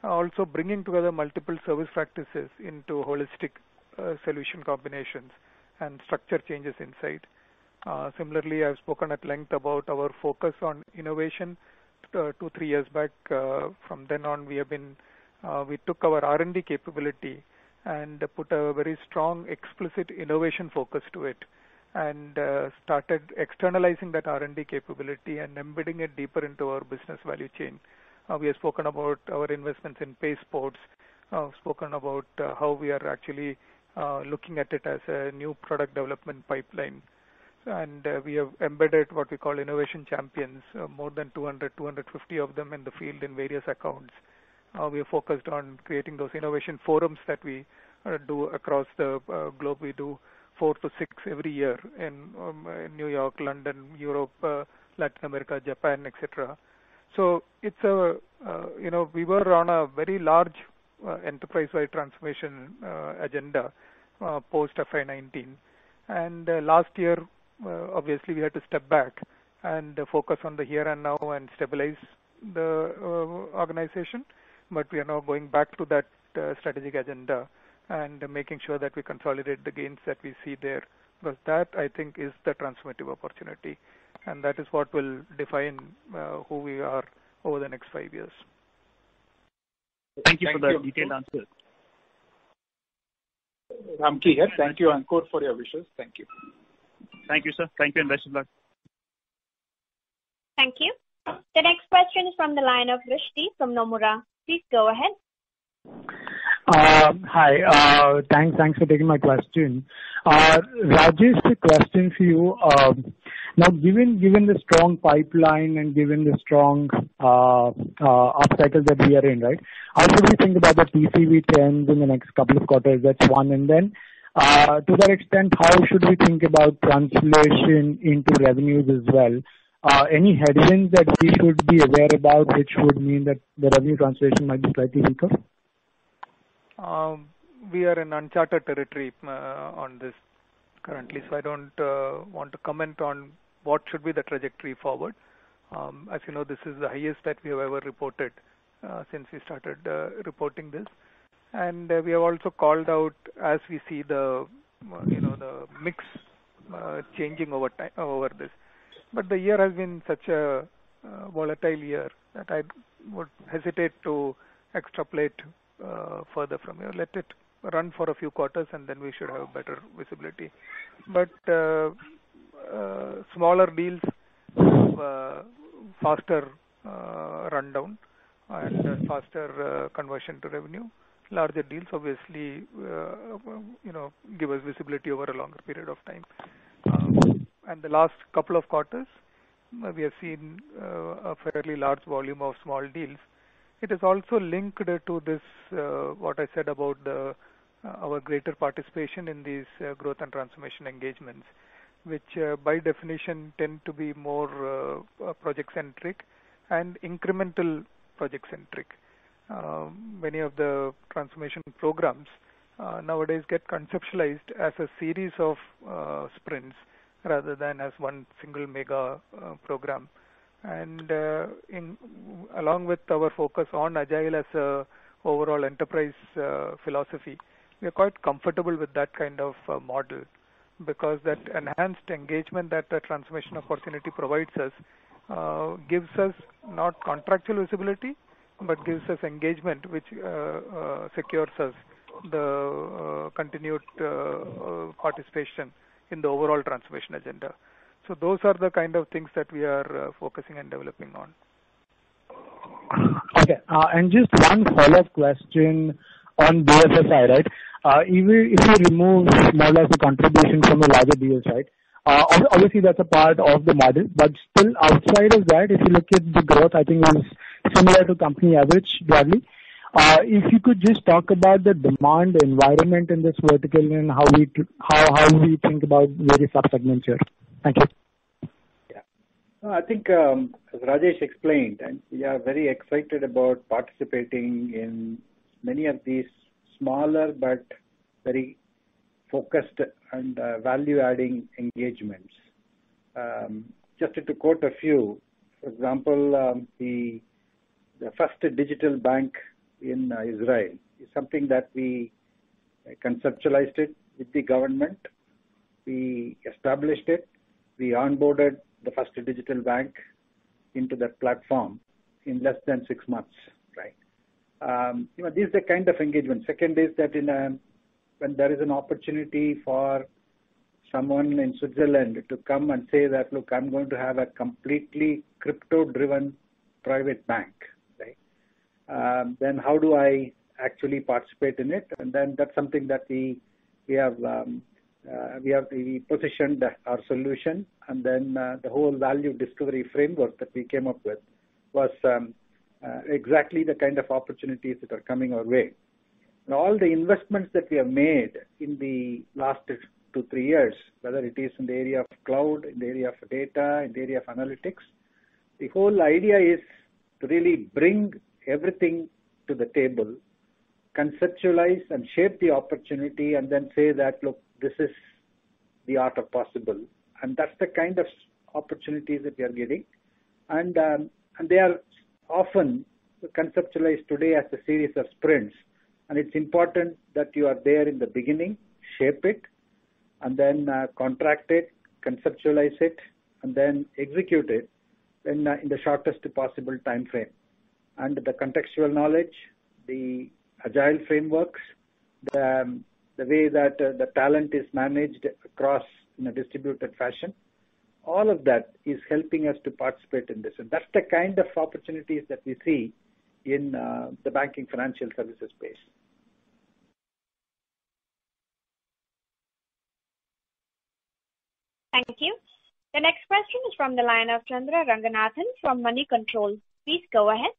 C: Also bringing together multiple service practices into holistic solution combinations and structure changes inside. Similarly, I've spoken at length about our focus on innovation two, three years back. From then on, we took our R&D capability and put a very strong explicit innovation focus to it and started externalizing that R&D capability and embedding it deeper into our business value chain. We have spoken about our investments in Pace Port, spoken about how we are actually looking at it as a new product development pipeline. We have embedded what we call innovation champions, more than 200, 250 of them in the field in various accounts. We are focused on creating those innovation forums that we do across the globe. We do 4-6 every year in New York, London, Europe, Latin America, Japan, et cetera. We were on a very large enterprise-wide transformation agenda post FY 2019. Last year, obviously, we had to step back and focus on the here and now and stabilize the organization. We are now going back to that strategic agenda and making sure that we consolidate the gains that we see there. That, I think, is the transformative opportunity, and that is what will define who we are over the next five years.
N: Thank you for that detailed answer.
E: Ramki here. Thank you, Ankur, for your wishes. Thank you.
N: Thank you, sir. Thank you. Best of luck.
A: Thank you. The next question is from the line of Rushdi from Nomura. Please go ahead.
O: Hi. Thanks for taking my question. Rajesh, a question for you. Now, given the strong pipeline and given the strong upcycle that we are in, how do we think about the TCV trends in the next couple of quarters? That's one. To that extent, how should we think about translation into revenues as well? Any headings that we should be aware about, which would mean that the revenue translation might be slightly weaker?
C: We are in uncharted territory on this currently. I don't want to comment on what should be the trajectory forward. As you know, this is the highest that we have ever reported since we started reporting this. We have also called out as we see the mix changing over this. The year has been such a volatile year that I would hesitate to extrapolate further from here. Let it run for a few quarters, and then we should have better visibility. Smaller deals have a faster rundown and faster conversion to revenue. Larger deals, obviously, give us visibility over a longer period of time. The last couple of quarters, we have seen a fairly large volume of small deals. It is also linked to this, what I said about our greater participation in these growth and transformation engagements, which by definition tend to be more project-centric and incremental project-centric. Many of the transformation programs nowadays get conceptualized as a series of sprints rather than as one single mega program. Along with our focus on Agile as a overall enterprise philosophy, we are quite comfortable with that kind of model because that enhanced engagement that the transformation opportunity gives us not contractual visibility, but gives us engagement which secures us the continued participation in the overall transformation agenda. Those are the kind of things that we are focusing and developing on.
O: Okay. Just one follow-up question on BFSI side. If you remove more or less the contribution from the larger deals side, obviously that's a part of the model. Still outside of that, if you look at the growth, I think it is similar to company average broadly. If you could just talk about the demand environment in this vertical and how do we think about various sub-segments here? Thank you.
D: Yeah. I think as Rajesh explained, we are very excited about participating in many of these smaller but very focused and value-adding engagements. Just to quote a few, for example, the first digital bank in Israel is something that we conceptualized it with the government. We established it. We onboarded the first digital bank into that platform in less than six months. These are the kind of engagement. Second is that when there is an opportunity for someone in Switzerland to come and say that, "Look, I'm going to have a completely crypto-driven private bank. How do I actually participate in it?" That's something that we have positioned our solution and then the whole value discovery framework that we came up with was exactly the kind of opportunities that are coming our way. All the investments that we have made in the last two, three years, whether it is in the area of cloud, in the area of data, in the area of analytics. The whole idea is to really bring everything to the table, conceptualize and shape the opportunity, then say that, "Look, this is the art of possible." That's the kind of opportunities that we are getting. They are often conceptualized today as a series of sprints. It's important that you are there in the beginning, shape it, then contract it, conceptualize it, then execute it in the shortest possible time frame. The contextual knowledge, the agile frameworks, the way that the talent is managed across in a distributed fashion, all of that is helping us to participate in this. That's the kind of opportunities that we see in the banking financial services space.
A: Thank you. The next question is from the line of Chandra Ranganathan from Moneycontrol. Please go ahead.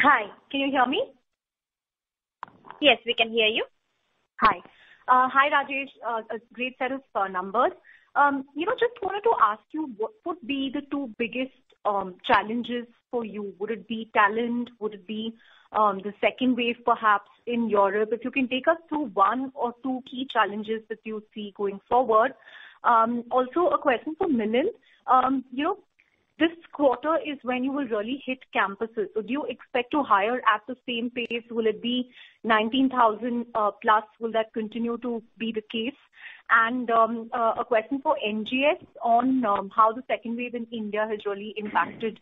P: Hi, can you hear me?
A: Yes, we can hear you.
P: Hi, Rajesh. A great set of numbers. Just wanted to ask you what would be the two biggest challenges for you. Would it be talent? Would it be the second wave perhaps in Europe? If you can take us through one or two key challenges that you see going forward. Also a question for Milind. This quarter is when you will really hit campuses. Do you expect to hire at the same pace? Will it be +19,000? Will that continue to be the case? A question for N.G.S. on how the second wave in India has really impacted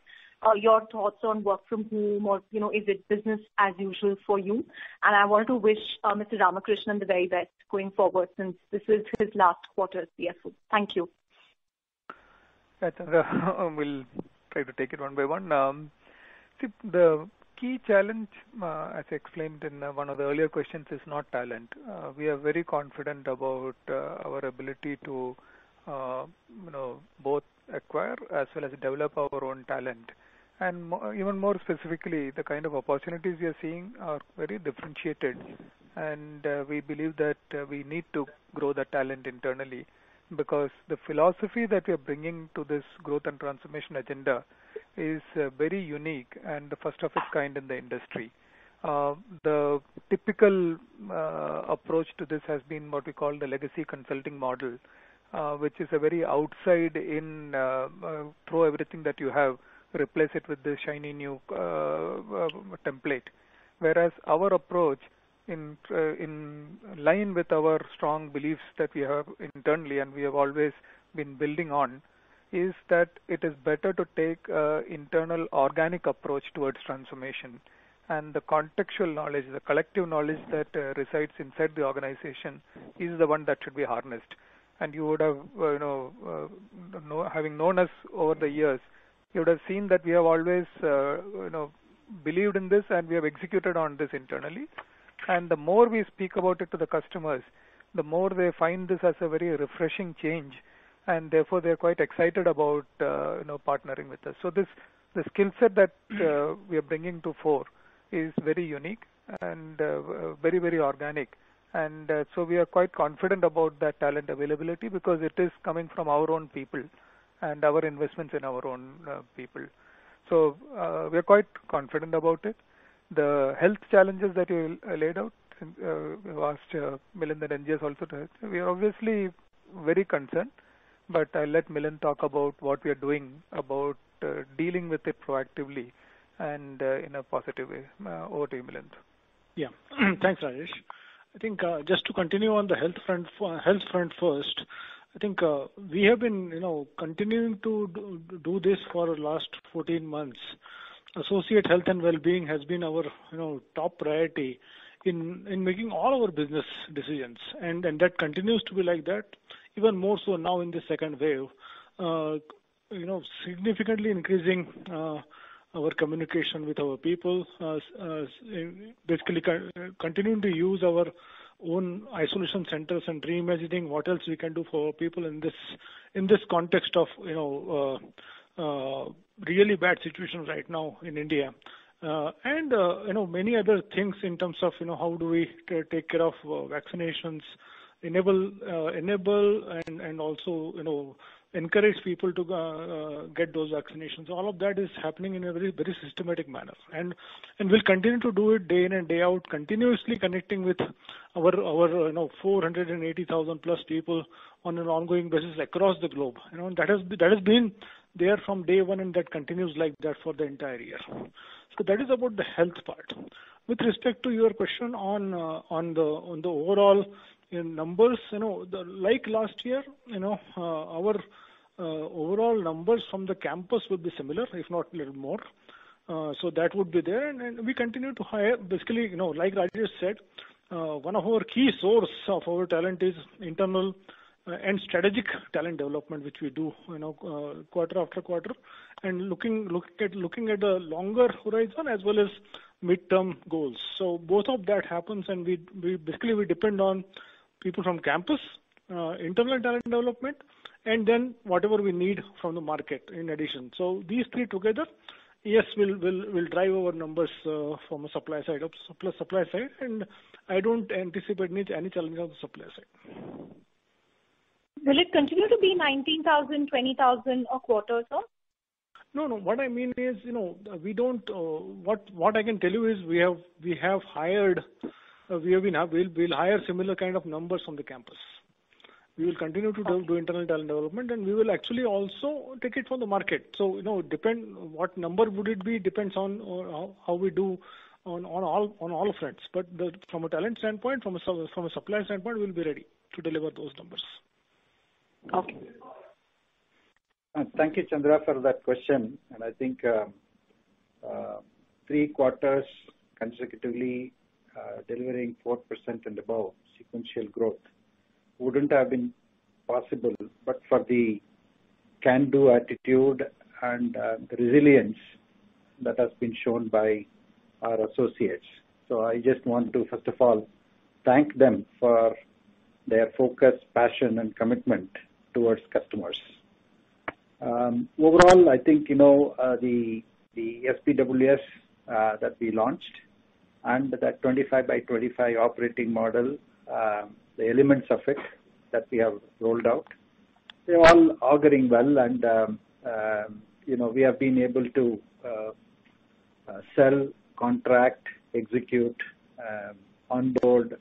P: your thoughts on work from home, or is it business as usual for you? I want to wish Mr. Ramakrishnan the very best going forward since this is his last quarter as CFO. Thank you.
C: Yeah. We'll try to take it one by one. The key challenge, as I explained in one of the earlier questions, is not talent. We are very confident about our ability to both acquire as well as develop our own talent. Even more specifically, the kind of opportunities we are seeing are very differentiated. We believe that we need to grow the talent internally because the philosophy that we are bringing to this growth and transformation agenda is very unique and the first of its kind in the industry. The typical approach to this has been what we call the legacy consulting model which is a very outside in throw everything that you have, replace it with the shiny new template. Our approach in line with our strong beliefs that we have internally and we have always been building on, is that it is better to take internal organic approach towards transformation. The contextual knowledge, the collective knowledge that resides inside the organization is the one that should be harnessed. Having known us over the years, you would have seen that we have always believed in this, and we have executed on this internally. The more we speak about it to the customers, the more they find this as a very refreshing change, and therefore, they're quite excited about partnering with us. The skill set that we are bringing to fore is very unique and very organic. We are quite confident about that talent availability because it is coming from our own people and our investments in our own people. We're quite confident about it. The health challenges that you laid out, and we've asked Milind and NGS also to address. We are obviously very concerned. I'll let Milind talk about what we are doing about dealing with it proactively and in a positive way. Over to you, Milind.
F: Thanks, Rajesh. I think just to continue on the health front first, we have been continuing to do this for the last 14 months. Associate health and wellbeing has been our top priority in making all our business decisions. That continues to be like that even more so now in the second wave. Significantly increasing our communication with our people, basically continuing to use our own isolation centers and reimagining what else we can do for our people in this context of really bad situation right now in India. Many other things in terms of how do we take care of vaccinations, enable and also encourage people to get those vaccinations. All of that is happening in a very systematic manner. We'll continue to do it day in and day out, continuously connecting with our +480,000 people on an ongoing basis across the globe. That has been there from day one, and that continues like that for the entire year. That is about the health part. With respect to your question on the overall numbers, like last year, our overall numbers from the campus will be similar, if not a little more. That would be there. We continue to hire. Basically, like Rajesh said, one of our key source of our talent is internal and strategic talent development, which we do quarter after quarter, and looking at the longer horizon as well as mid-term goals. Both of that happens, and basically, we depend on people from campus, internal talent development, and then whatever we need from the market in addition. These three together, yes, will drive our numbers from a supply side. I don't anticipate any challenge on the supply side.
P: Will it continue to be 19,000, 20,000 a quarter, sir?
F: No. What I can tell you is we'll hire similar kind of numbers from the campus. We will continue to do internal talent development, and we will actually also take it from the market. What number would it be depends on how we do on all fronts. From a talent standpoint, from a supply standpoint, we'll be ready to deliver those numbers.
P: Okay.
D: Thank you, Chandra, for that question. I think three quarters consecutively delivering 4% and above sequential growth wouldn't have been possible but for the can-do attitude and the resilience that has been shown by our associates. I just want to, first of all, thank them for their focus, passion and commitment towards customers. Overall, I think the SBWS that we launched and that 25-by-25 operating model, the elements of it that we have rolled out, they're all auguring well, and we have been able to sell, contract, execute, onboard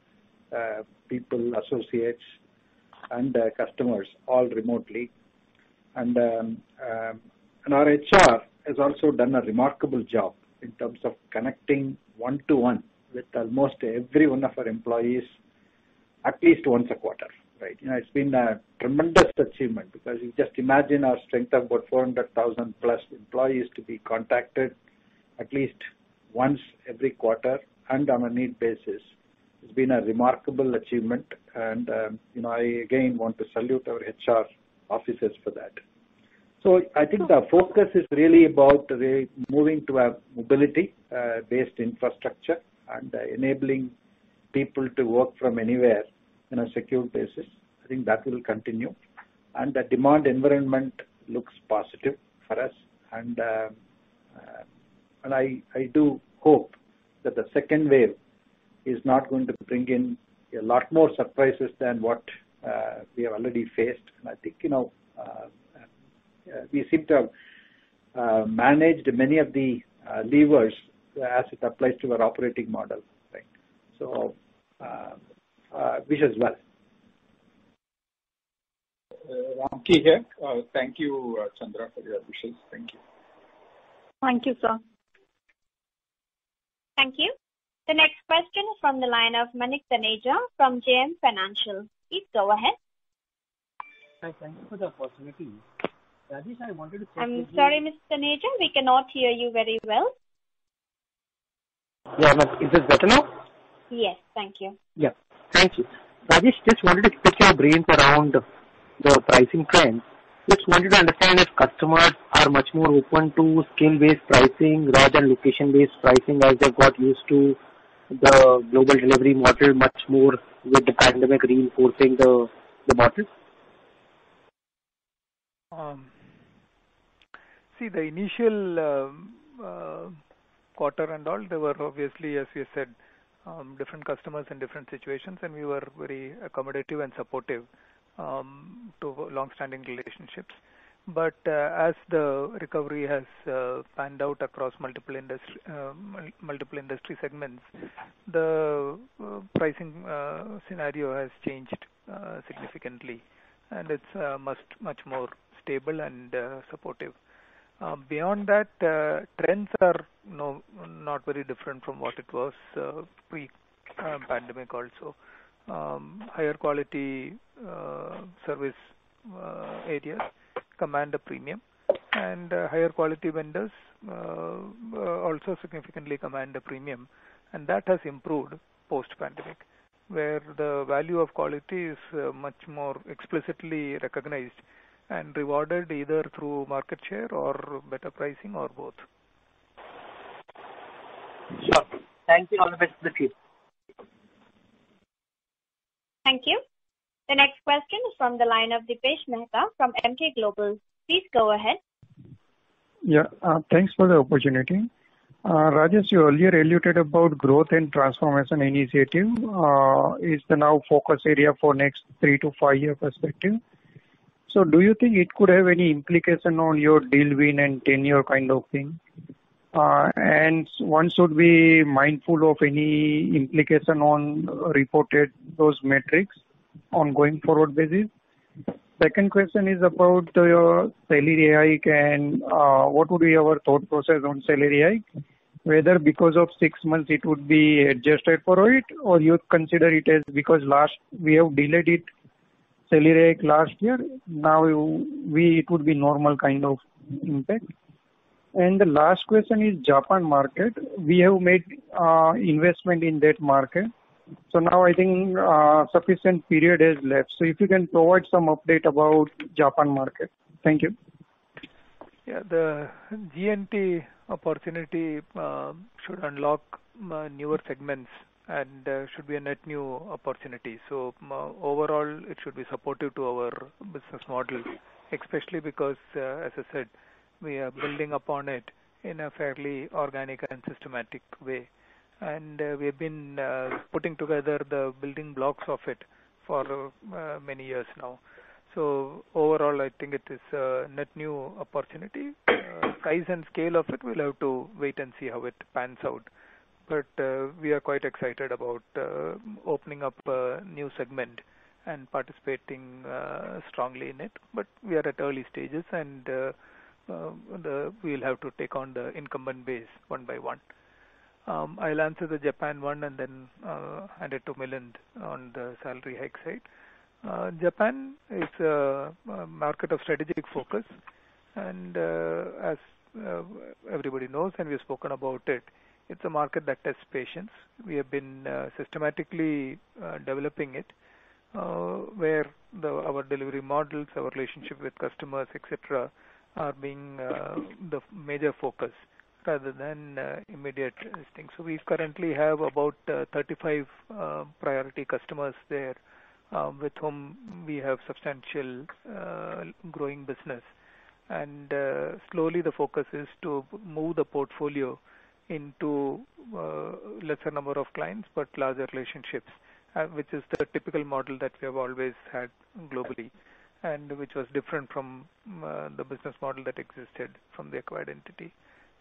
D: people, associates and customers all remotely. Our HR has also done a remarkable job in terms of connecting one-to-one with almost every one of our employees at least once a quarter. It's been a tremendous achievement because you just imagine our strength of about +400,000 employees to be contacted at least once every quarter and on a need basis. It's been a remarkable achievement, and I again want to salute our HR officers for that. I think the focus is really about moving to a mobility-based infrastructure and enabling people to work from anywhere in a secure basis. I think that will continue. The demand environment looks positive for us. I do hope that the second wave is not going to bring in a lot more surprises than what we have already faced. I think we seem to have managed many of the levers as it applies to our operating model. Wish us well.
E: Ramki here. Thank you, Chandra, for your wishes. Thank you.
P: Thank you, sir.
A: Thank you. The next question is from the line of Manik Taneja from JM Financial. Please go ahead.
Q: Hi. Thank you for the opportunity. Rajesh,
A: I'm sorry, Mr. Taneja. We cannot hear you very well.
Q: Yeah. Is this better now?
A: Yes. Thank you.
Q: Yeah. Thank you. Rajesh, just wanted to pick your brains around the pricing trends. Just wanted to understand if customers are much more open to skill-based pricing rather than location-based pricing as they've got used to the global delivery model much more with the pandemic reinforcing the model.
C: See, the initial quarter and all, there were obviously, as you said, different customers and different situations, and we were very accommodative and supportive to longstanding relationships. As the recovery has panned out across multiple industry segments, the pricing scenario has changed significantly. It's much more stable and supportive. Beyond that, trends are not very different from what it was pre-pandemic also. Higher quality service areas command a premium, and higher quality vendors also significantly command a premium, and that has improved post-pandemic, where the value of quality is much more explicitly recognized and rewarded, either through market share or better pricing or both.
Q: Sure. Thank you. All the best to the team.
A: Thank you. The next question is from the line of Dipesh Mehta from Emkay Global. Please go ahead.
R: Yeah. Thanks for the opportunity. Rajesh, you earlier alluded about growth and transformation initiative is the now focus area for next three to five-year perspective. Do you think it could have any implication on your deal win and tenure kind of thing? One should be mindful of any implication on reported those metrics on going forward basis. Second question is about your salary hike and what would be our thought process on salary hike, whether because of six months it would be adjusted for it, or you consider it as because we have delayed it, salary hike last year, now it would be normal kind of impact. The last question is Japan market. We have made investment in that market. If you can provide some update about Japan market. Thank you.
C: Yeah. The G&T opportunity should unlock newer segments and should be a net new opportunity. Overall, it should be supportive to our business model, especially because, as I said, we are building upon it in a fairly organic and systematic way. We've been putting together the building blocks of it for many years now. Overall, I think it is a net new opportunity. Size and scale of it, we'll have to wait and see how it pans out. We are quite excited about opening up a new segment and participating strongly in it. We are at early stages and we'll have to take on the incumbent base one by one. I'll answer the Japan one and then hand it to Milind on the salary hike side. Japan is a market of strategic focus, as everybody knows and we've spoken about it's a market that tests patience. We have been systematically developing it, where our delivery models, our relationship with customers, et cetera, are being the major focus rather than immediate listings. We currently have about 35 priority customers there with whom we have substantial growing business. Slowly the focus is to move the portfolio into lesser number of clients but larger relationships, which is the typical model that we have always had globally and which was different from the business model that existed from the acquired entity.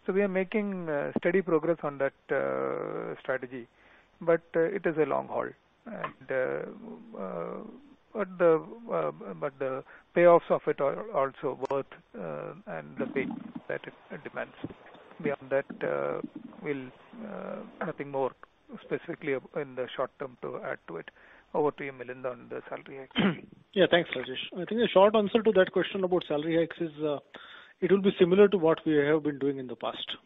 C: We are making steady progress on that strategy. It is a long haul. The payoffs of it are also worth and the faith that it demands. Beyond that, we'll have nothing more specifically in the short term to add to it. Over to you, Milind, on the salary hike.
F: Yeah. Thanks, Rajesh. I think a short answer to that question about salary hikes is it will be similar to what we have been doing in the past.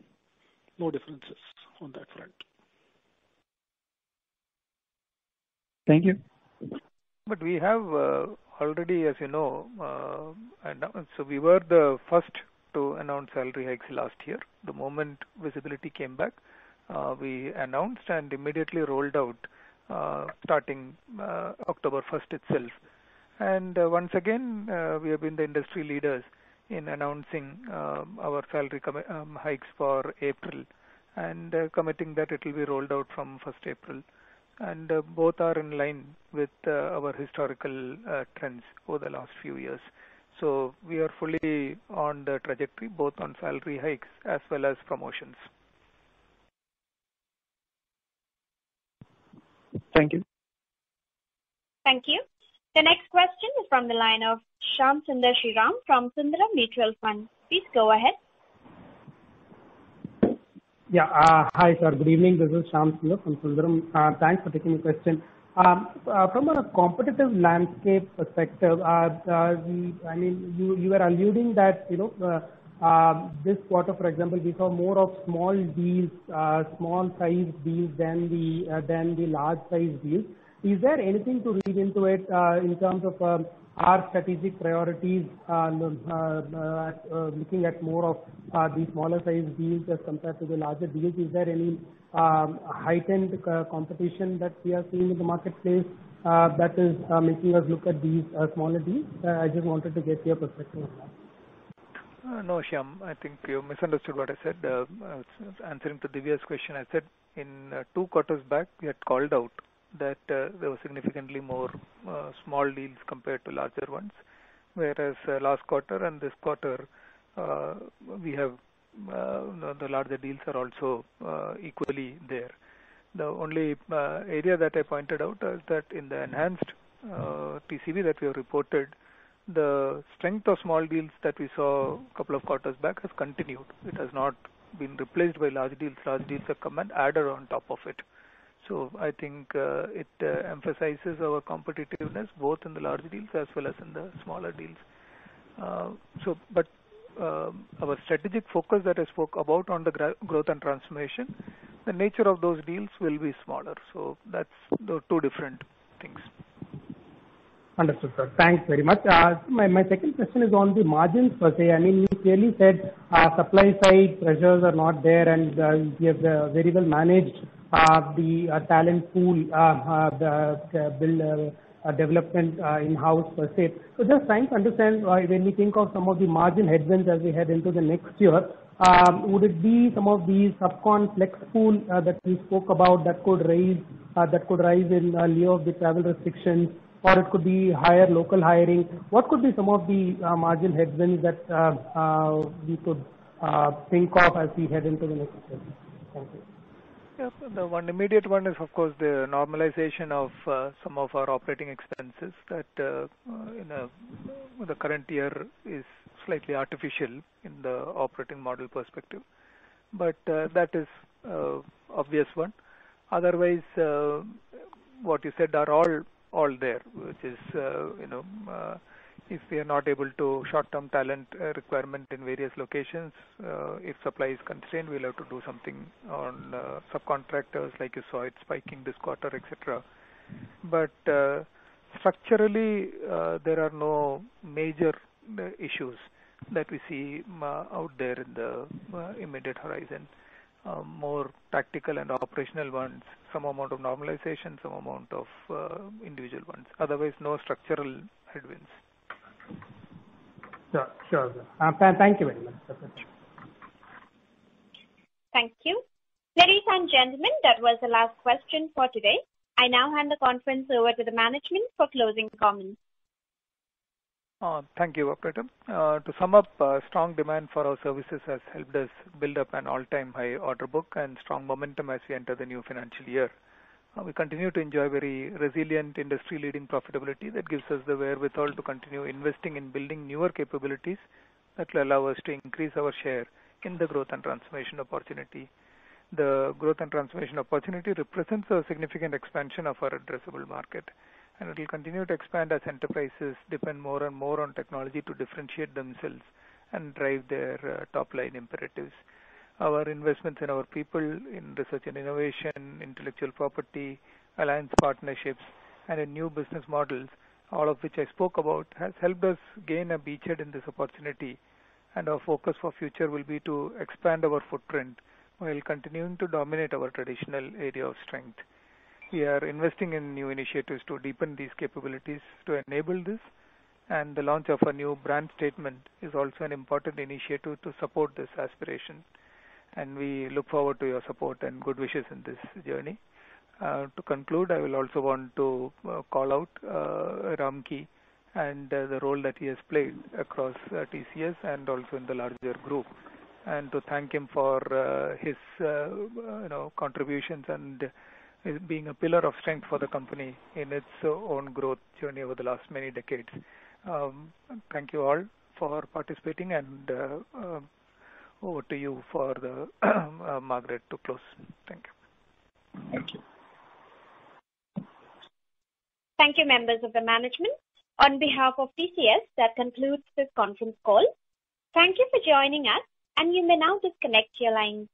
F: No differences on that front.
R: Thank you.
C: We have already, as you know. We were the first to announce salary hikes last year. The moment visibility came back, we announced and immediately rolled out, starting October 1st itself. Once again, we have been the industry leaders in announcing our salary hikes for April and committing that it will be rolled out from 1st April. Both are in line with our historical trends over the last few years. We are fully on the trajectory, both on salary hikes as well as promotions.
R: Thank you.
A: Thank you. The next question is from the line of Shyam Sundar Sriram from Sundaram Mutual Fund. Please go ahead.
S: Yeah. Hi, sir. Good evening. This is Shyam Sundar from Sundaram. Thanks for taking the question. From a competitive landscape perspective, you were alluding that this quarter, for example, we saw more of small deals, small-sized deals than the large-sized deals. Is there anything to read into it in terms of our strategic priorities looking at more of these smaller-sized deals as compared to the larger deals? Is there any heightened competition that we are seeing in the marketplace that is making us look at these smaller deals? I just wanted to get your perspective on that.
C: No, Shyam, I think you misunderstood what I said. Answering to Diviya's question, I said in two quarters back, we had called out that there were significantly more small deals compared to larger ones. Whereas last quarter and this quarter the larger deals are also equally there. The only area that I pointed out is that in the enhanced TCV that we have reported, the strength of small deals that we saw a couple of quarters back has continued. It has not been replaced by large deals. Large deals are come and added on top of it. I think it emphasizes our competitiveness, both in the large deals as well as in the smaller deals. Our strategic focus that I spoke about on the growth and transformation, the nature of those deals will be smaller. That's the two different things.
S: Understood, sir. Thanks very much. My second question is on the margins, per se. You clearly said supply-side pressures are not there, and you have very well managed the talent pool, the development in-house, per se. Just trying to understand when we think of some of the margin headwinds as we head into the next year, would it be some of the subcon flex pool that we spoke about that could rise in lieu of the travel restrictions, or it could be higher local hiring? What could be some of the margin headwinds that we could think of as we head into the next quarter? Thank you.
C: Yes. The one immediate one is, of course, the normalization of some of our operating expenses that in the current year is slightly artificial in the operating model perspective. That is obvious one. Otherwise, what you said are all there. Which is if we are not able to short-term talent requirement in various locations, if supply is constrained, we'll have to do something on subcontractors like you saw it spiking this quarter, et cetera. Structurally, there are no major issues that we see out there in the immediate horizon. More tactical and operational ones, some amount of normalization, some amount of individual ones. Otherwise, no structural headwinds.
S: Sure. Thank you very much.
A: Thank you. Ladies and gentlemen, that was the last question for today. I now hand the conference over to the management for closing comments.
C: Thank you, operator. To sum up, strong demand for our services has helped us build up an all-time high order book and strong momentum as we enter the new financial year. We continue to enjoy very resilient industry-leading profitability that gives us the wherewithal to continue investing in building newer capabilities that will allow us to increase our share in the growth and transformation opportunity. The growth and transformation opportunity represents a significant expansion of our addressable market, and it will continue to expand as enterprises depend more and more on technology to differentiate themselves and drive their top-line imperatives. Our investments in our people in research and innovation, intellectual property, alliance partnerships, and in new business models, all of which I spoke about, has helped us gain a beachhead in this opportunity. Our focus for future will be to expand our footprint while continuing to dominate our traditional area of strength. We are investing in new initiatives to deepen these capabilities to enable this, and the launch of a new brand statement is also an important initiative to support this aspiration. We look forward to your support and good wishes in this journey. To conclude, I will also want to call out Ramki and the role that he has played across TCS and also in the larger group, and to thank him for his contributions and his being a pillar of strength for the company in its own growth journey over the last many decades. Thank you all for participating, and over to you for Margaret to close. Thank you.
E: Thank you.
A: Thank you, members of the management. On behalf of TCS, that concludes this conference call. Thank you for joining us, and you may now disconnect your lines.